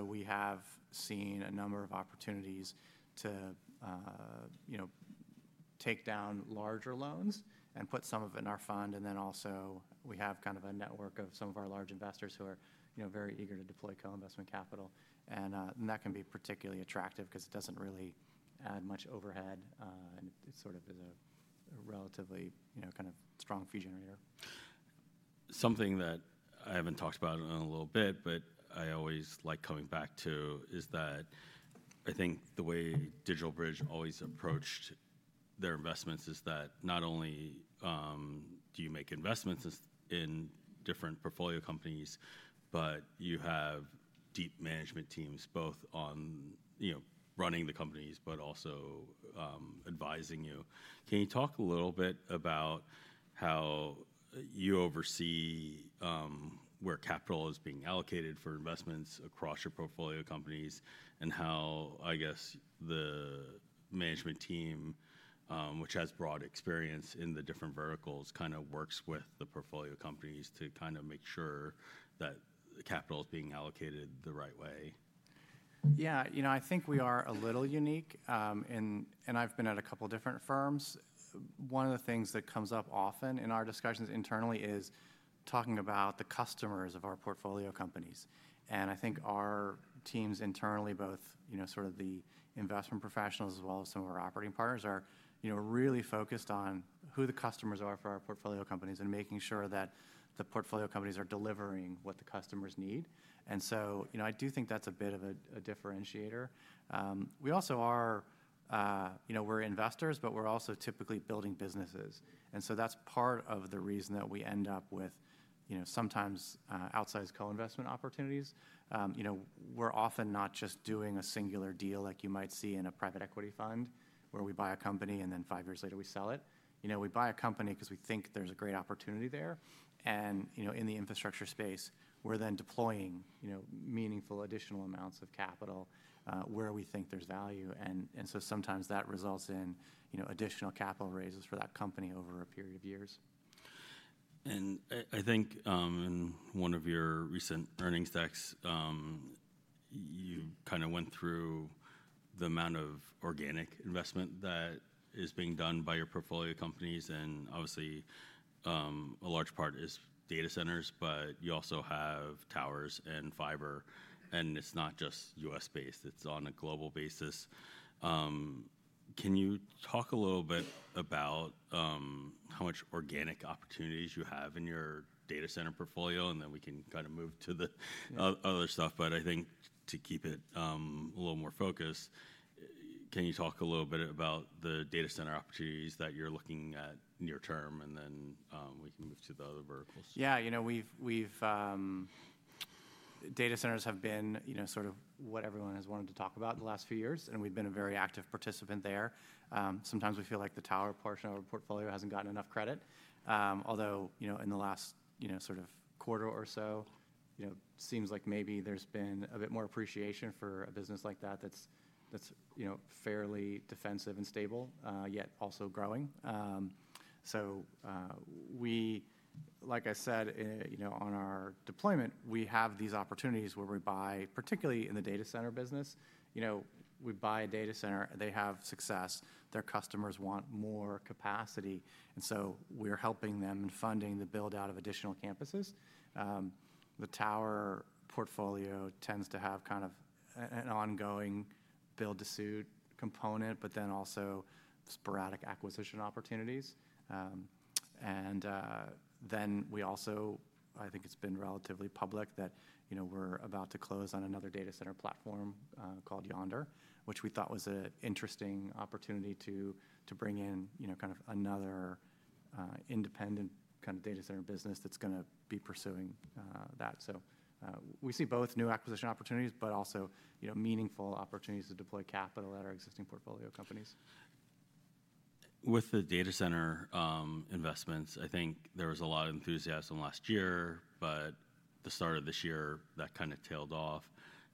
We have seen a number of opportunities to, you know, take down larger loans and put some of it in our fund. We have kind of a network of some of our large investors who are, you know, very eager to deploy co-investment capital. That can be particularly attractive because it does not really add much overhead, and it sort of is a relatively, you know, kind of strong fee generator. Something that I have not talked about in a little bit, but I always like coming back to is that I think the way DigitalBridge always approached their investments is that not only do you make investments in different portfolio companies, but you have deep management teams both on, you know, running the companies, but also advising you. Can you talk a little bit about how you oversee where capital is being allocated for investments across your portfolio companies and how, I guess, the management team, which has broad experience in the different verticals, kind of works with the portfolio companies to kind of make sure that the capital is being allocated the right way? Yeah. You know, I think we are a little unique, and I have been at a couple different firms. One of the things that comes up often in our discussions internally is talking about the customers of our portfolio companies. I think our teams internally, both, you know, sort of the investment professionals as well as some of our operating partners, are, you know, really focused on who the customers are for our portfolio companies and making sure that the portfolio companies are delivering what the customers need. I do think that's a bit of a differentiator. We also are, you know, we're investors, but we're also typically building businesses. That's part of the reason that we end up with, you know, sometimes, outsized co-investment opportunities. You know, we're often not just doing a singular deal like you might see in a private equity fund where we buy a company and then five years later we sell it. You know, we buy a company because we think there's a great opportunity there. You know, in the infrastructure space, we're then deploying meaningful additional amounts of capital, where we think there's value. Sometimes that results in additional capital raises for that company over a period of years. I think, in one of your recent earnings decks, you kind of went through the amount of organic investment that is being done by your portfolio companies. Obviously, a large part is data centers, but you also have towers and fiber, and it's not just U.S. based, it's on a global basis. Can you talk a little bit about how much organic opportunities you have in your data center portfolio? And then we can kind of move to the other stuff. I think to keep it a little more focused, can you talk a little bit about the data center opportunities that you're looking at near term? And then, we can move to the other verticals. Yeah. You know, we've, data centers have been, you know, sort of what everyone has wanted to talk about in the last few years, and we've been a very active participant there. Sometimes we feel like the tower portion of our portfolio hasn't gotten enough credit. Although, you know, in the last, you know, sort of quarter or so, it seems like maybe there's been a bit more appreciation for a business like that that's, you know, fairly defensive and stable, yet also growing. So, we, like I said, you know, on our deployment, we have these opportunities where we buy, particularly in the data center business, you know, we buy a data center, they have success, their customers want more capacity. We are helping them and funding the buildout of additional campuses. The tower portfolio tends to have kind of an ongoing build-to-suit component, but then also sporadic acquisition opportunities. Then we also, I think it's been relatively public that, you know, we're about to close on another data center platform, called Yonder, which we thought was an interesting opportunity to bring in, you know, kind of another independent kind of data center business that's going to be pursuing that. We see both new acquisition opportunities, but also, you know, meaningful opportunities to deploy capital at our existing portfolio companies. With the data center investments, I think there was a lot of enthusiasm last year, but the start of this year that kind of tailed off.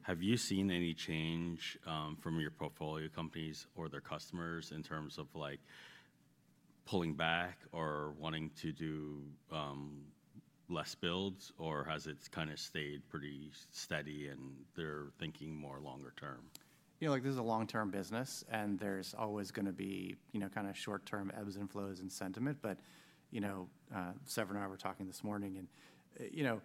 Have you seen any change from your portfolio companies or their customers in terms of like pulling back or wanting to do less builds, or has it kind of stayed pretty steady and they're thinking more longer term? You know, like this is a long-term business and there's always going to be, you know, kind of short-term ebbs and flows and sentiment. You know, Severin and I were talking this morning and, you know,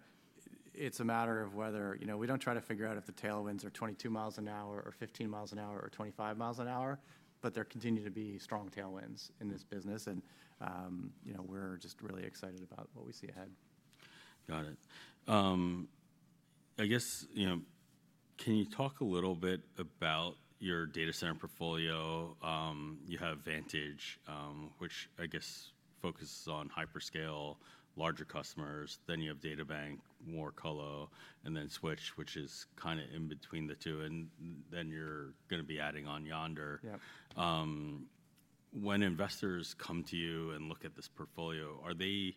it's a matter of whether, you know, we don't try to figure out if the tailwinds are 22 miles an hour or 15 miles an hour or 25 miles an hour, but there continue to be strong tailwinds in this business. You know, we're just really excited about what we see ahead. Got it. I guess, you know, can you talk a little bit about your data center portfolio? You have Vantage, which I guess focuses on hyperscale, larger customers. Then you have DataBank, more Colo, and then Switch, which is kind of in between the two. You are going to be adding on Yonder. Yep. When investors come to you and look at this portfolio, are they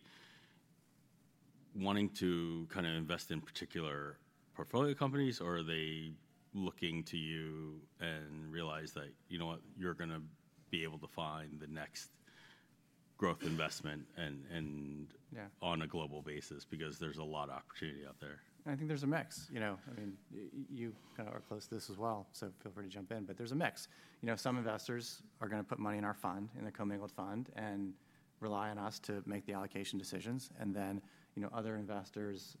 wanting to kind of invest in particular portfolio companies or are they looking to you and realize that, you know what, you're going to be able to find the next growth investment and, on a global basis because there's a lot of opportunity out there. I think there is a mix, you know, I mean, you kind of are close to this as well, so feel free to jump in, but there is a mix. You know, some investors are going to put money in our fund, in the commingled fund, and rely on us to make the allocation decisions. Then, you know, other investors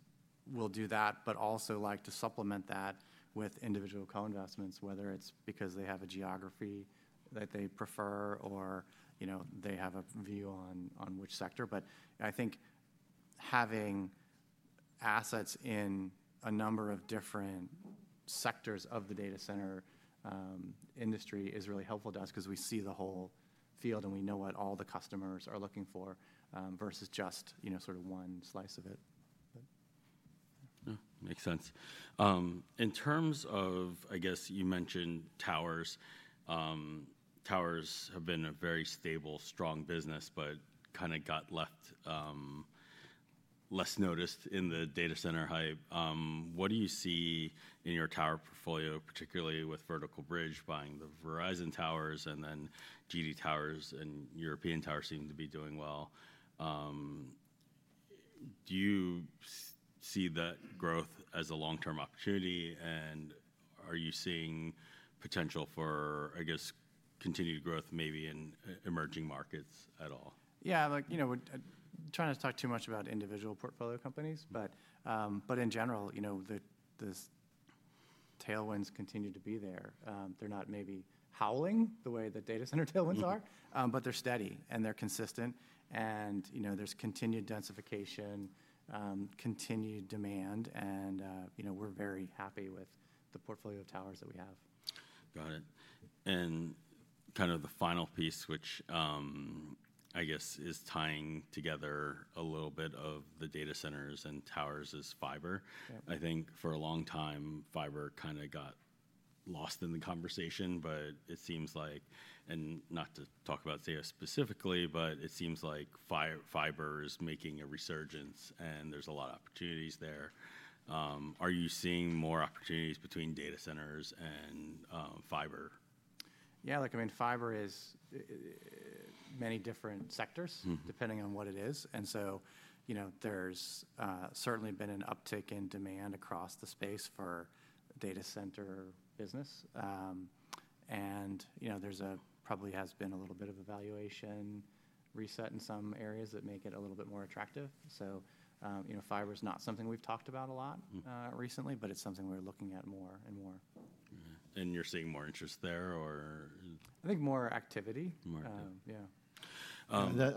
will do that, but also like to supplement that with individual co-investments, whether it is because they have a geography that they prefer or, you know, they have a view on which sector. I think having assets in a number of different sectors of the data center industry is really helpful to us because we see the whole field and we know what all the customers are looking for, versus just, you know, sort of one slice of it. Yeah, makes sense. In terms of, I guess you mentioned towers. Towers have been a very stable, strong business, but kind of got less noticed in the data center hype. What do you see in your tower portfolio, particularly with Vertical Bridge buying the Verizon towers and then GD Towers and European towers seem to be doing well? Do you see that growth as a long-term opportunity and are you seeing potential for, I guess, continued growth maybe in emerging markets at all? Yeah, like, you know, we are trying not to talk too much about individual portfolio companies, but in general, you know, the tailwinds continue to be there. They are not maybe howling the way the data center tailwinds are, but they are steady and they are consistent. And, you know, there is continued densification, continued demand. And, you know, we are very happy with the portfolio of towers that we have. Got it. Kind of the final piece, which I guess is tying together a little bit of the data centers and towers, is fiber. I think for a long time, fiber kind of got lost in the conversation, but it seems like, and not to talk about Zayo specifically, but it seems like fiber is making a resurgence and there are a lot of opportunities there. Are you seeing more opportunities between data centers and fiber? Yeah, like, I mean, fiber is many different sectors depending on what it is. And so, you know, there's certainly been an uptick in demand across the space for data center business, and, you know, there probably has been a little bit of an evaluation reset in some areas that make it a little bit more attractive. You know, fiber is not something we've talked about a lot recently, but it's something we're looking at more and more. Are you seeing more interest there or? I think more activity. More. Yeah.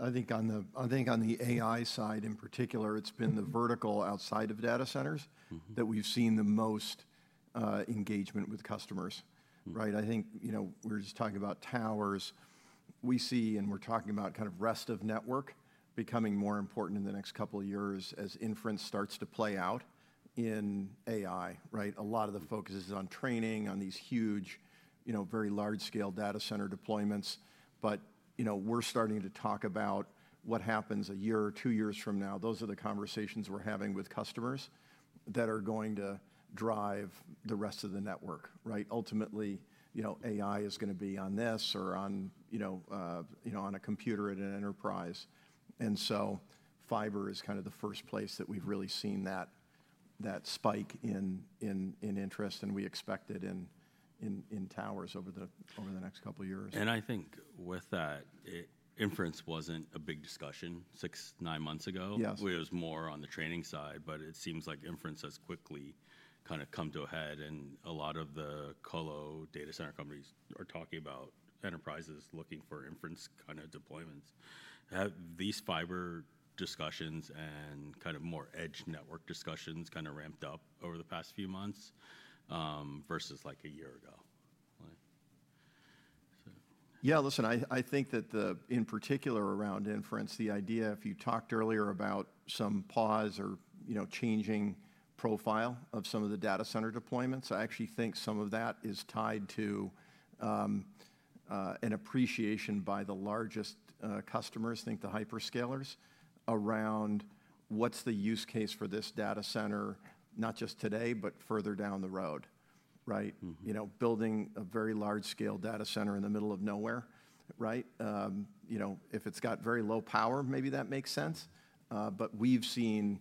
I think on the, I think on the AI side in particular, it's been the vertical outside of data centers that we've seen the most engagement with customers, right? I think, you know, we're just talking about towers. We see, and we're talking about kind of rest of network becoming more important in the next couple of years as inference starts to play out in AI, right? A lot of the focus is on training on these huge, you know, very large scale data center deployments. But, you know, we're starting to talk about what happens a year or two years from now. Those are the conversations we're having with customers that are going to drive the rest of the network, right? Ultimately, you know, AI is going to be on this or on, you know, on a computer at an enterprise. And so fiber is kind of the first place that we've really seen that spike in interest. We expect it in towers over the next couple of years. I think with that, inference wasn't a big discussion six, nine months ago. Yes. It was more on the training side, but it seems like inference has quickly kind of come to a head. A lot of the Colo data center companies are talking about enterprises looking for inference kind of deployments. Have these fiber discussions and kind of more edge network discussions kind of ramped up over the past few months, versus like a year ago? Yeah, listen, I think that in particular around inference, the idea, if you talked earlier about some pause or, you know, changing profile of some of the data center deployments, I actually think some of that is tied to an appreciation by the largest customers, I think the hyperscalers, around what's the use case for this data center, not just today, but further down the road, right? You know, building a very large scale data center in the middle of nowhere, right? You know, if it's got very low power, maybe that makes sense. but we've seen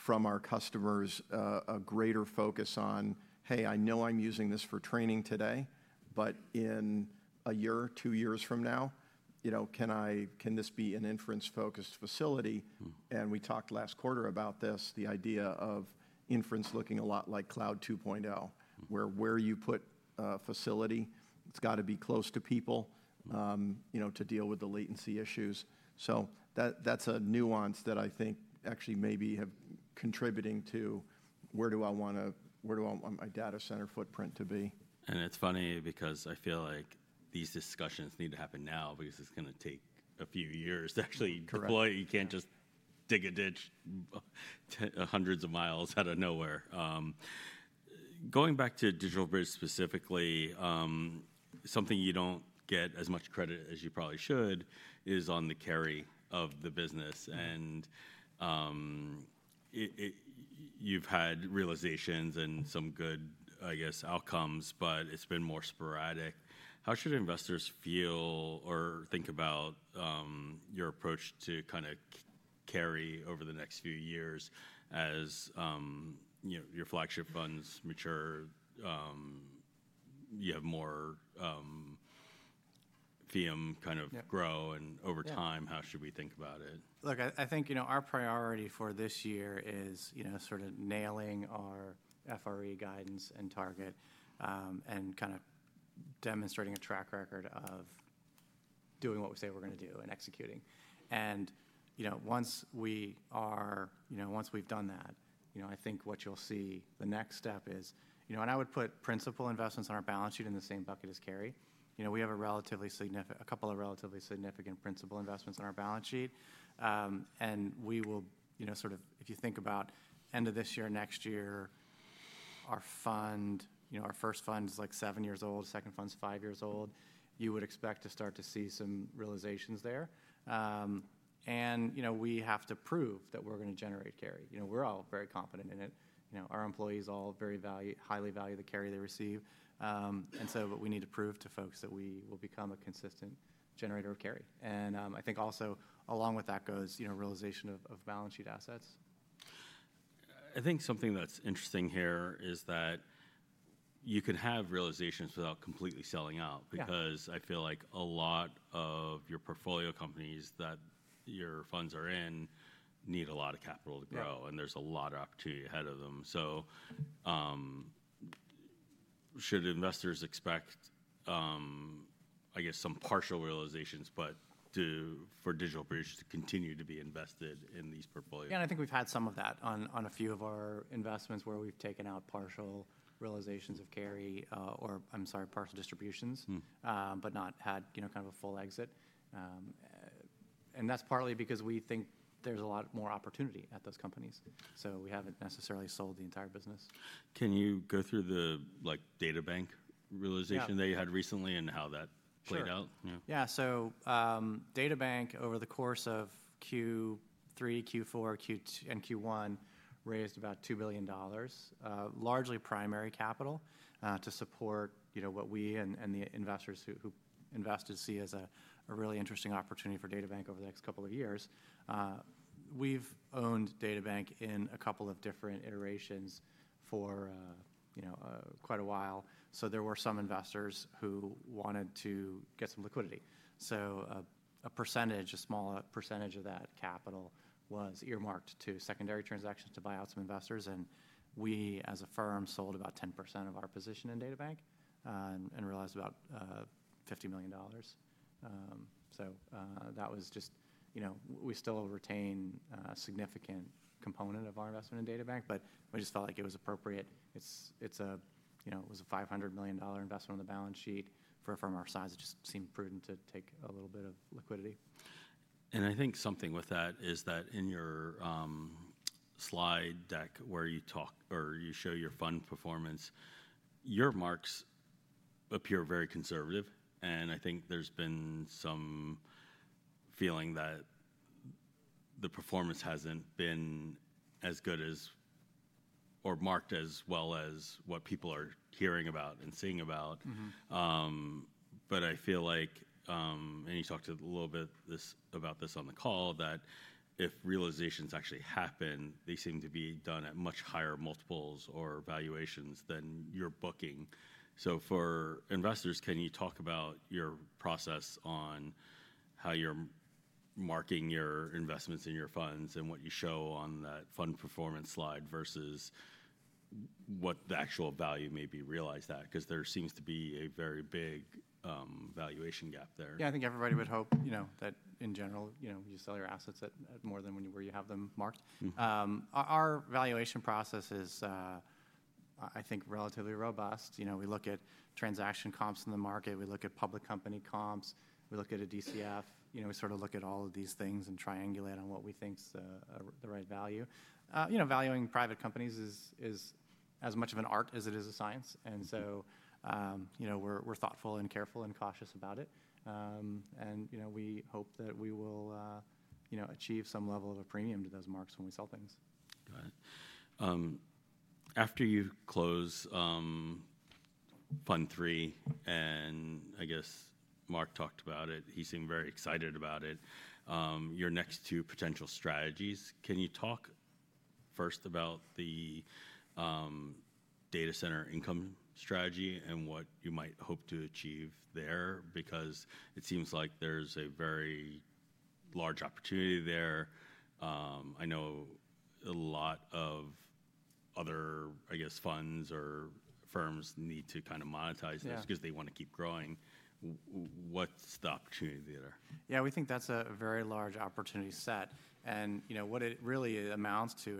from our customers, a greater focus on, hey, I know I'm using this for training today, but in a year, two years from now, you know, can I, can this be an inference focused facility? We talked last quarter about this, the idea of inference looking a lot like Cloud 2.0, where you put a facility, it's got to be close to people, you know, to deal with the latency issues. That, that's a nuance that I think actually maybe is contributing to where do I want to, where do I want my data center footprint to be? It's funny because I feel like these discussions need to happen now because it's going to take a few years to actually deploy. You can't just dig a ditch hundreds of miles out of nowhere. Going back to DigitalBridge specifically, something you do not get as much credit as you probably should is on the carry of the business. You have had realizations and some good, I guess, outcomes, but it has been more sporadic. How should investors feel or think about your approach to kind of carry over the next few years as, you know, your flagship funds mature, you have more VM kind of grow and over time, how should we think about it? Look, I think, you know, our priority for this year is, you know, sort of nailing our FRE guidance and target, and kind of demonstrating a track record of doing what we say we are going to do and executing. You know, once we are, you know, once we've done that, you know, I think what you'll see the next step is, you know, I would put principal investments on our balance sheet in the same bucket as carry. You know, we have a relatively significant, a couple of relatively significant principal investments on our balance sheet, and we will, you know, sort of, if you think about end of this year, next year, our fund, you know, our first fund is like seven years old, second fund's five years old. You would expect to start to see some realizations there, and, you know, we have to prove that we're going to generate carry. You know, we're all very confident in it. You know, our employees all highly value the carry they receive. We need to prove to folks that we will become a consistent generator of carry. I think also along with that goes realization of balance sheet assets. I think something that's interesting here is that you can have realizations without completely selling out because I feel like a lot of your portfolio companies that your funds are in need a lot of capital to grow and there's a lot of opportunity ahead of them. Should investors expect, I guess, some partial realizations, but for DigitalBridge to continue to be invested in these portfolios? Yeah, I think we've had some of that on a few of our investments where we've taken out partial realizations of carry, or I'm sorry, partial distributions, but not had a full exit. and that's partly because we think there's a lot more opportunity at those companies. We haven't necessarily sold the entire business. Can you go through the, like, DataBank realization that you had recently and how that played out? Yeah, DataBank over the course of Q3, Q4, Q2, and Q1 raised about $2 billion, largely primary capital, to support, you know, what we and the investors who invested see as a really interesting opportunity for DataBank over the next couple of years. We've owned DataBank in a couple of different iterations for quite a while. There were some investors who wanted to get some liquidity. A percentage, a small percentage of that capital was earmarked to secondary transactions to buy out some investors. We as a firm sold about 10% of our position in DataBank, and realized about $50 million. So, that was just, you know, we still retain a significant component of our investment in DataBank, but we just felt like it was appropriate. It is, you know, it was a $500 million investment on the balance sheet for a firm our size. It just seemed prudent to take a little bit of liquidity. I think something with that is that in your slide deck where you talk or you show your fund performance, your marks appear very conservative. I think there has been some feeling that the performance has not been as good as, or marked as well as what people are hearing about and seeing about. I feel like, and you talked a little bit about this on the call, that if realizations actually happen, they seem to be done at much higher multiples or valuations than you are booking. For investors, can you talk about your process on how you're marking your investments in your funds and what you show on that fund performance slide versus what the actual value may be realized at? Because there seems to be a very big valuation gap there. Yeah, I think everybody would hope, you know, that in general, you sell your assets at more than where you have them marked. Our valuation process is, I think, relatively robust. You know, we look at transaction comps in the market. We look at public company comps. We look at a DCF. You know, we sort of look at all of these things and triangulate on what we think is the right value. You know, valuing private companies is as much of an art as it is a science. You know, we're thoughtful and careful and cautious about it. You know, we hope that we will achieve some level of a premium to those marks when we sell things. Got it. After you close Fund 3, and I guess Marc talked about it, he seemed very excited about it. Your next two potential strategies, can you talk first about the data center income strategy and what you might hope to achieve there? Because it seems like there's a very large opportunity there. I know a lot of other, I guess, funds or firms need to kind of monetize this because they want to keep growing. What's the opportunity there? Yeah, we think that's a very large opportunity set. You know, what it really amounts to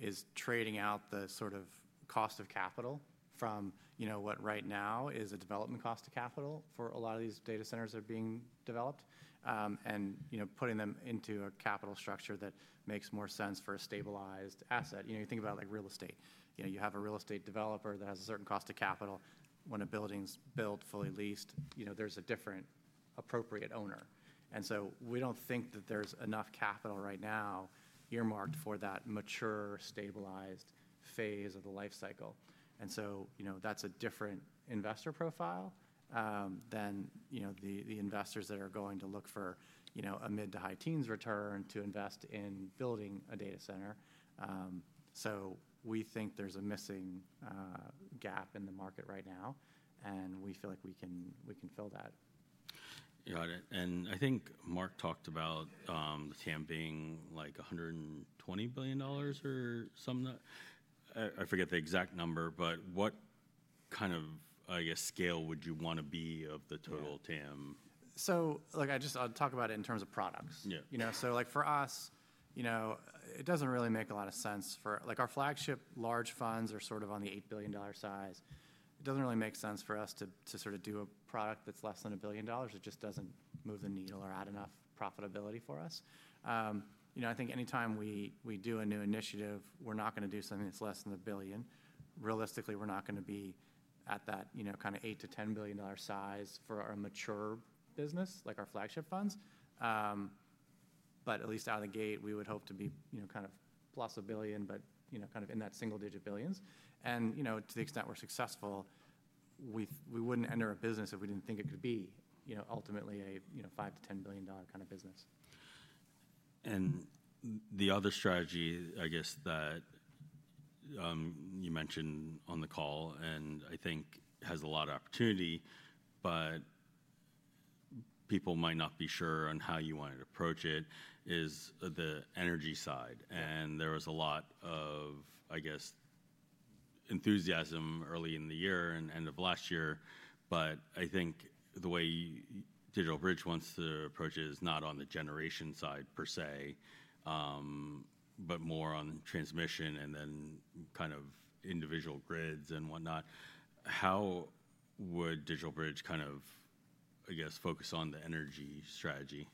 is trading out the sort of cost of capital from, you know, what right now is a development cost of capital for a lot of these data centers that are being developed, and, you know, putting them into a capital structure that makes more sense for a stabilized asset. You know, you think about like real estate. You know, you have a real estate developer that has a certain cost of capital. When a building's built, fully leased, you know, there's a different appropriate owner. We do not think that there's enough capital right now earmarked for that mature, stabilized phase of the life cycle. And so, you know, that's a different investor profile than, you know, the investors that are going to look for, you know, a mid to high teens return to invest in building a data center. We think there's a missing gap in the market right now. We feel like we can fill that. Got it. I think Mark talked about the TAM being like $120 billion or something. I forget the exact number, but what kind of, I guess, scale would you want to be of the total TAM? I just, I'll talk about it in terms of products. Yeah. You know, for us, it doesn't really make a lot of sense for our flagship large funds are sort of on the $8 billion size. It doesn't really make sense for us to, to sort of do a product that's less than $1 billion. It just doesn't move the needle or add enough profitability for us. You know, I think anytime we, we do a new initiative, we're not going to do something that's less than $1 billion. Realistically, we're not going to be at that, you know, kind of $8 billion-$10 billion size for our mature business, like our flagship funds. At least out of the gate, we would hope to be, you know, kind of plus $1 billion, but, you know, kind of in that single digit billions. You know, to the extent we're successful, we, we wouldn't enter a business if we didn't think it could be, you know, ultimately a, you know, $5 billion-$10 billion kind of business. The other strategy, I guess, that you mentioned on the call, and I think has a lot of opportunity, but people might not be sure on how you want to approach it, is the energy side. There was a lot of, I guess, enthusiasm early in the year and end of last year. I think the way DigitalBridge wants to approach it is not on the generation side per se, but more on transmission and then kind of individual grids and whatnot. How would DigitalBridge kind of, I guess, focus on the energy strategy?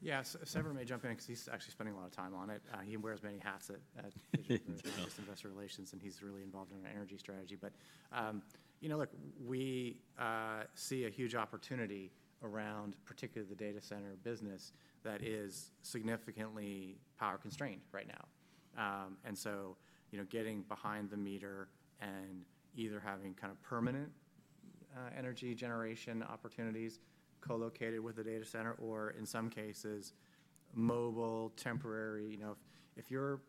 Yeah, Sever may jump in because he's actually spending a lot of time on it. He wears many hats at DigitalBridge Investor Relations, and he's really involved in our energy strategy. You know, look, we see a huge opportunity around particularly the data center business that is significantly power constrained right now. You know, getting behind the meter and either having kind of permanent energy generation opportunities co-located with the data center or in some cases, mobile temporary, you know, if you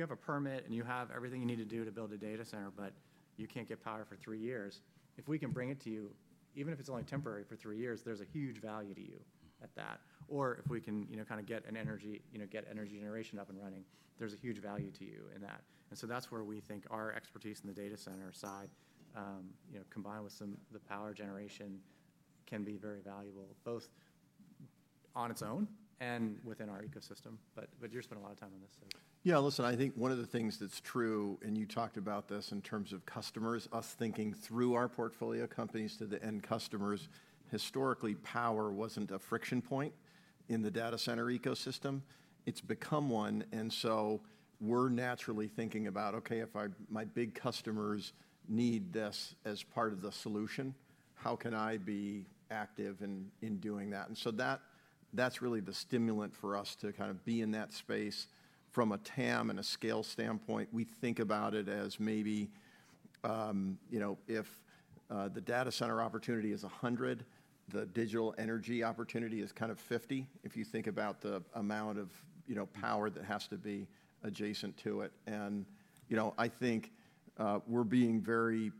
have a permit and you have everything you need to do to build a data center, but you cannot get power for three years, if we can bring it to you, even if it is only temporary for three years, there is a huge value to you at that. Or if we can, you know, kind of get energy generation up and running, there is a huge value to you in that. That is where we think our expertise in the data center side, you know, combined with some of the power generation can be very valuable both on its own and within our ecosystem. You are spending a lot of time on this. Yeah, listen, I think one of the things that is true, and you talked about this in terms of customers, us thinking through our portfolio companies to the end customers, historically power was not a friction point in the data center ecosystem. It has become one. We are naturally thinking about, okay, if my big customers need this as part of the solution, how can I be active in doing that? That is really the stimulant for us to kind of be in that space from a TAM and a scale standpoint. We think about it as maybe, you know, if the data center opportunity is 100, the digital energy opportunity is kind of 50 if you think about the amount of, you know, power that has to be adjacent to it. And, you know, I think we're being very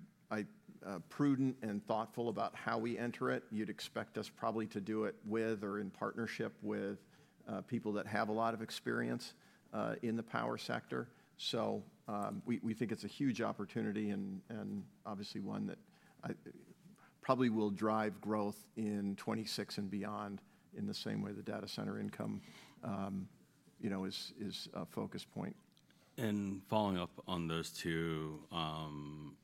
prudent and thoughtful about how we enter it. You'd expect us probably to do it with or in partnership with people that have a lot of experience in the power sector. We think it's a huge opportunity and obviously one that probably will drive growth in 2026 and beyond in the same way the data center income, you know, is a focus point. Following up on those two,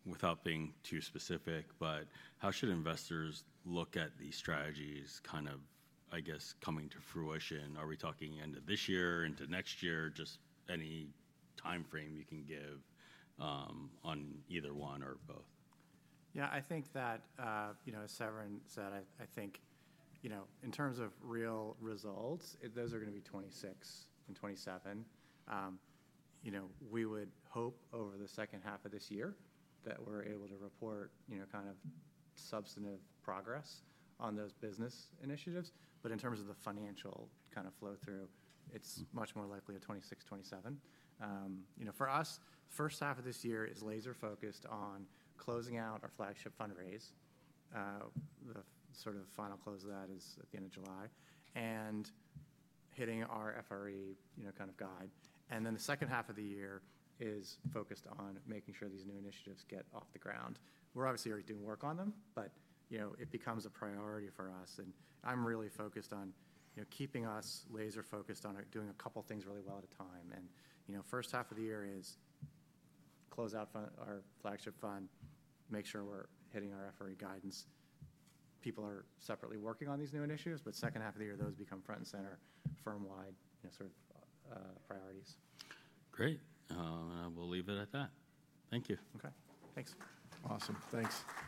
without being too specific, but how should investors look at these strategies kind of, I guess, coming to fruition? Are we talking end of this year, into next year, just any timeframe you can give, on either one or both? Yeah, I think that, you know, as Severin said, I think, you know, in terms of real results, those are going to be 2026 and 2027. You know, we would hope over the second half of this year that we're able to report, you know, kind of substantive progress on those business initiatives. In terms of the financial kind of flow through, it's much more likely a 2026, 2027. You know, for us, the first half of this year is laser focused on closing out our flagship fundraise. The sort of final close of that is at the end of July and hitting our FRE, you know, kind of guide. The second half of the year is focused on making sure these new initiatives get off the ground. We are obviously already doing work on them, but, you know, it becomes a priority for us. I am really focused on, you know, keeping us laser focused on doing a couple of things really well at a time. The first half of the year is close out our flagship fund, make sure we are hitting our FRE guidance. People are separately working on these new initiatives, but second half of the year, those become front and center firm wide, you know, sort of, priorities. Great. I will leave it at that. Thank you. Okay. Thanks. Awesome. Thanks.